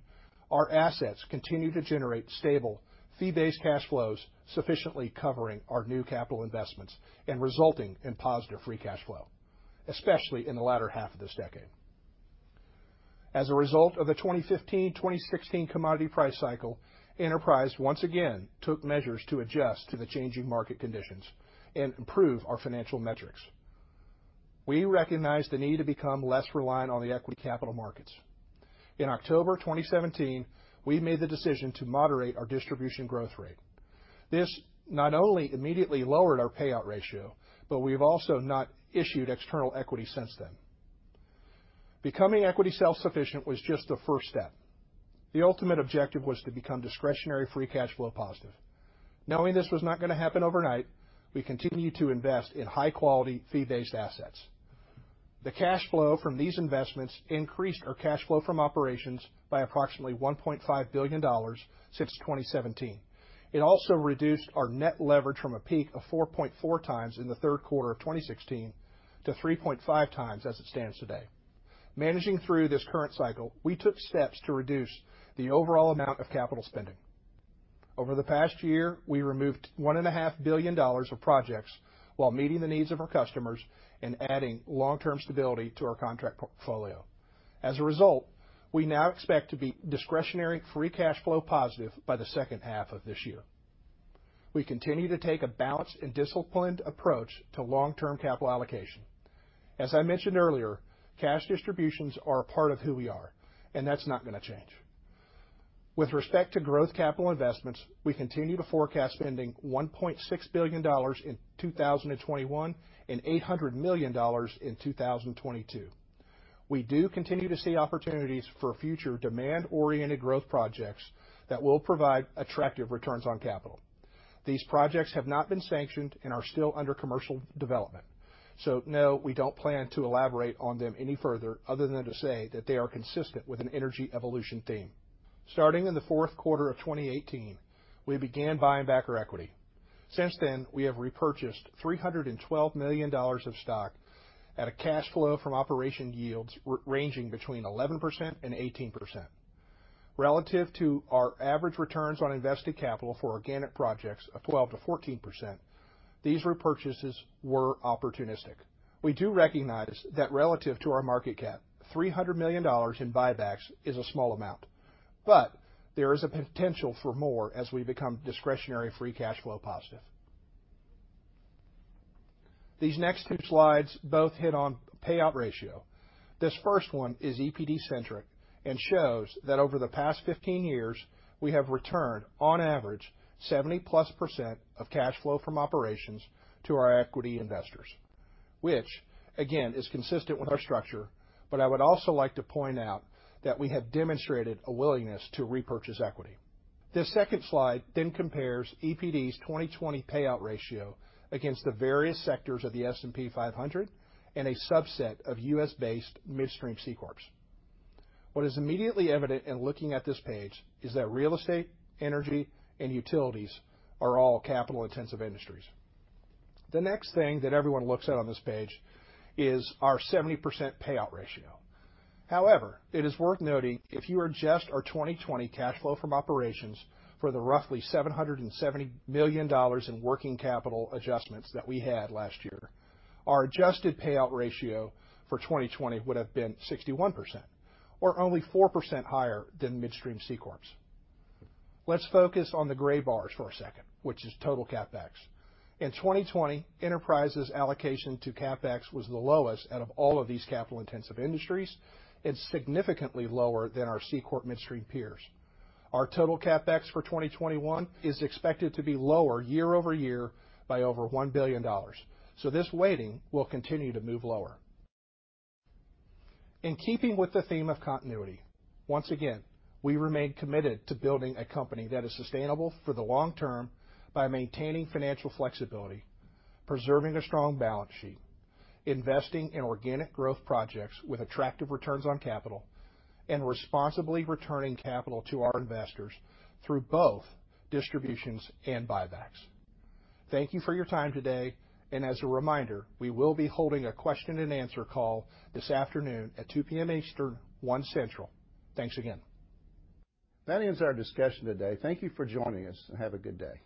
our assets continue to generate stable, fee-based cash flows sufficiently covering our new capital investments and resulting in positive free cash flow, especially in the latter half of this decade. As a result of the 2015-2016 commodity price cycle, Enterprise once again took measures to adjust to the changing market conditions and improve our financial metrics. We recognized the need to become less reliant on the equity capital markets. In October 2017, we made the decision to moderate our distribution growth rate. This not only immediately lowered our payout ratio, but we've also not issued external equity since then. Becoming equity self-sufficient was just the first step. The ultimate objective was to become discretionary free cash flow positive. Knowing this was not going to happen overnight, we continued to invest in high-quality, fee-based assets. The cash flow from these investments increased our cash flow from operations by approximately $1.5 billion since 2017. It also reduced our net leverage from a peak of 4.4x in the third quarter of 2016 to 3.5x as it stands today. Managing through this current cycle, we took steps to reduce the overall amount of capital spending. Over the past year, we removed $1.5 billion of projects while meeting the needs of our customers and adding long-term stability to our contract portfolio. As a result, we now expect to be discretionary free cash flow positive by the second half of this year. We continue to take a balanced and disciplined approach to long-term capital allocation. As I mentioned earlier, cash distributions are a part of who we are, and that's not going to change. With respect to growth capital investments, we continue to forecast spending $1.6 billion in 2021 and $800 million in 2022. We do continue to see opportunities for future demand-oriented growth projects that will provide attractive returns on capital. These projects have not been sanctioned and are still under commercial development. No, we don't plan to elaborate on them any further other than to say that they are consistent with an energy evolution theme. Starting in the fourth quarter of 2018, we began buying back our equity. Since then, we have repurchased $312 million of stock at a cash flow from operation yields ranging between 11% and 18%. Relative to our average returns on invested capital for organic projects of 12%-14%, these repurchases were opportunistic. We do recognize that relative to our market cap, $300 million in buybacks is a small amount, but there is a potential for more as we become discretionary free cash flow positive. These next two slides both hit on payout ratio. This first one is EPD-centric and shows that over the past 15 years, we have returned, on average, 70%+ of cash flow from operations to our equity investors, which again, is consistent with our structure, but I would also like to point out that we have demonstrated a willingness to repurchase equity. This second slide then compares EPD's 2020 payout ratio against the various sectors of the S&P 500 and a subset of U.S.-based midstream C-Corps. What is immediately evident in looking at this page is that real estate, energy, and utilities are all capital-intensive industries. The next thing that everyone looks at on this page is our 70% payout ratio. It is worth noting if you adjust our 2020 cash flow from operations for the roughly $770 million in working capital adjustments that we had last year, our adjusted payout ratio for 2020 would have been 61%, or only 4% higher than midstream C-Corps. Let's focus on the gray bars for a second, which is total CapEx. In 2020, Enterprise's allocation to CapEx was the lowest out of all of these capital-intensive industries and significantly lower than our C-Corp midstream peers. Our total CapEx for 2021 is expected to be lower year-over-year by over $1 billion, this weighting will continue to move lower. In keeping with the theme of continuity, once again, we remain committed to building a company that is sustainable for the long term by maintaining financial flexibility, preserving a strong balance sheet, investing in organic growth projects with attractive returns on capital, and responsibly returning capital to our investors through both distributions and buybacks. Thank you for your time today, and as a reminder, we will be holding a question-and-answer call this afternoon at 2:00 P.M. Eastern, 1:00 P.M. Central. Thanks again. That ends our discussion today. Thank you for joining us, and have a good day.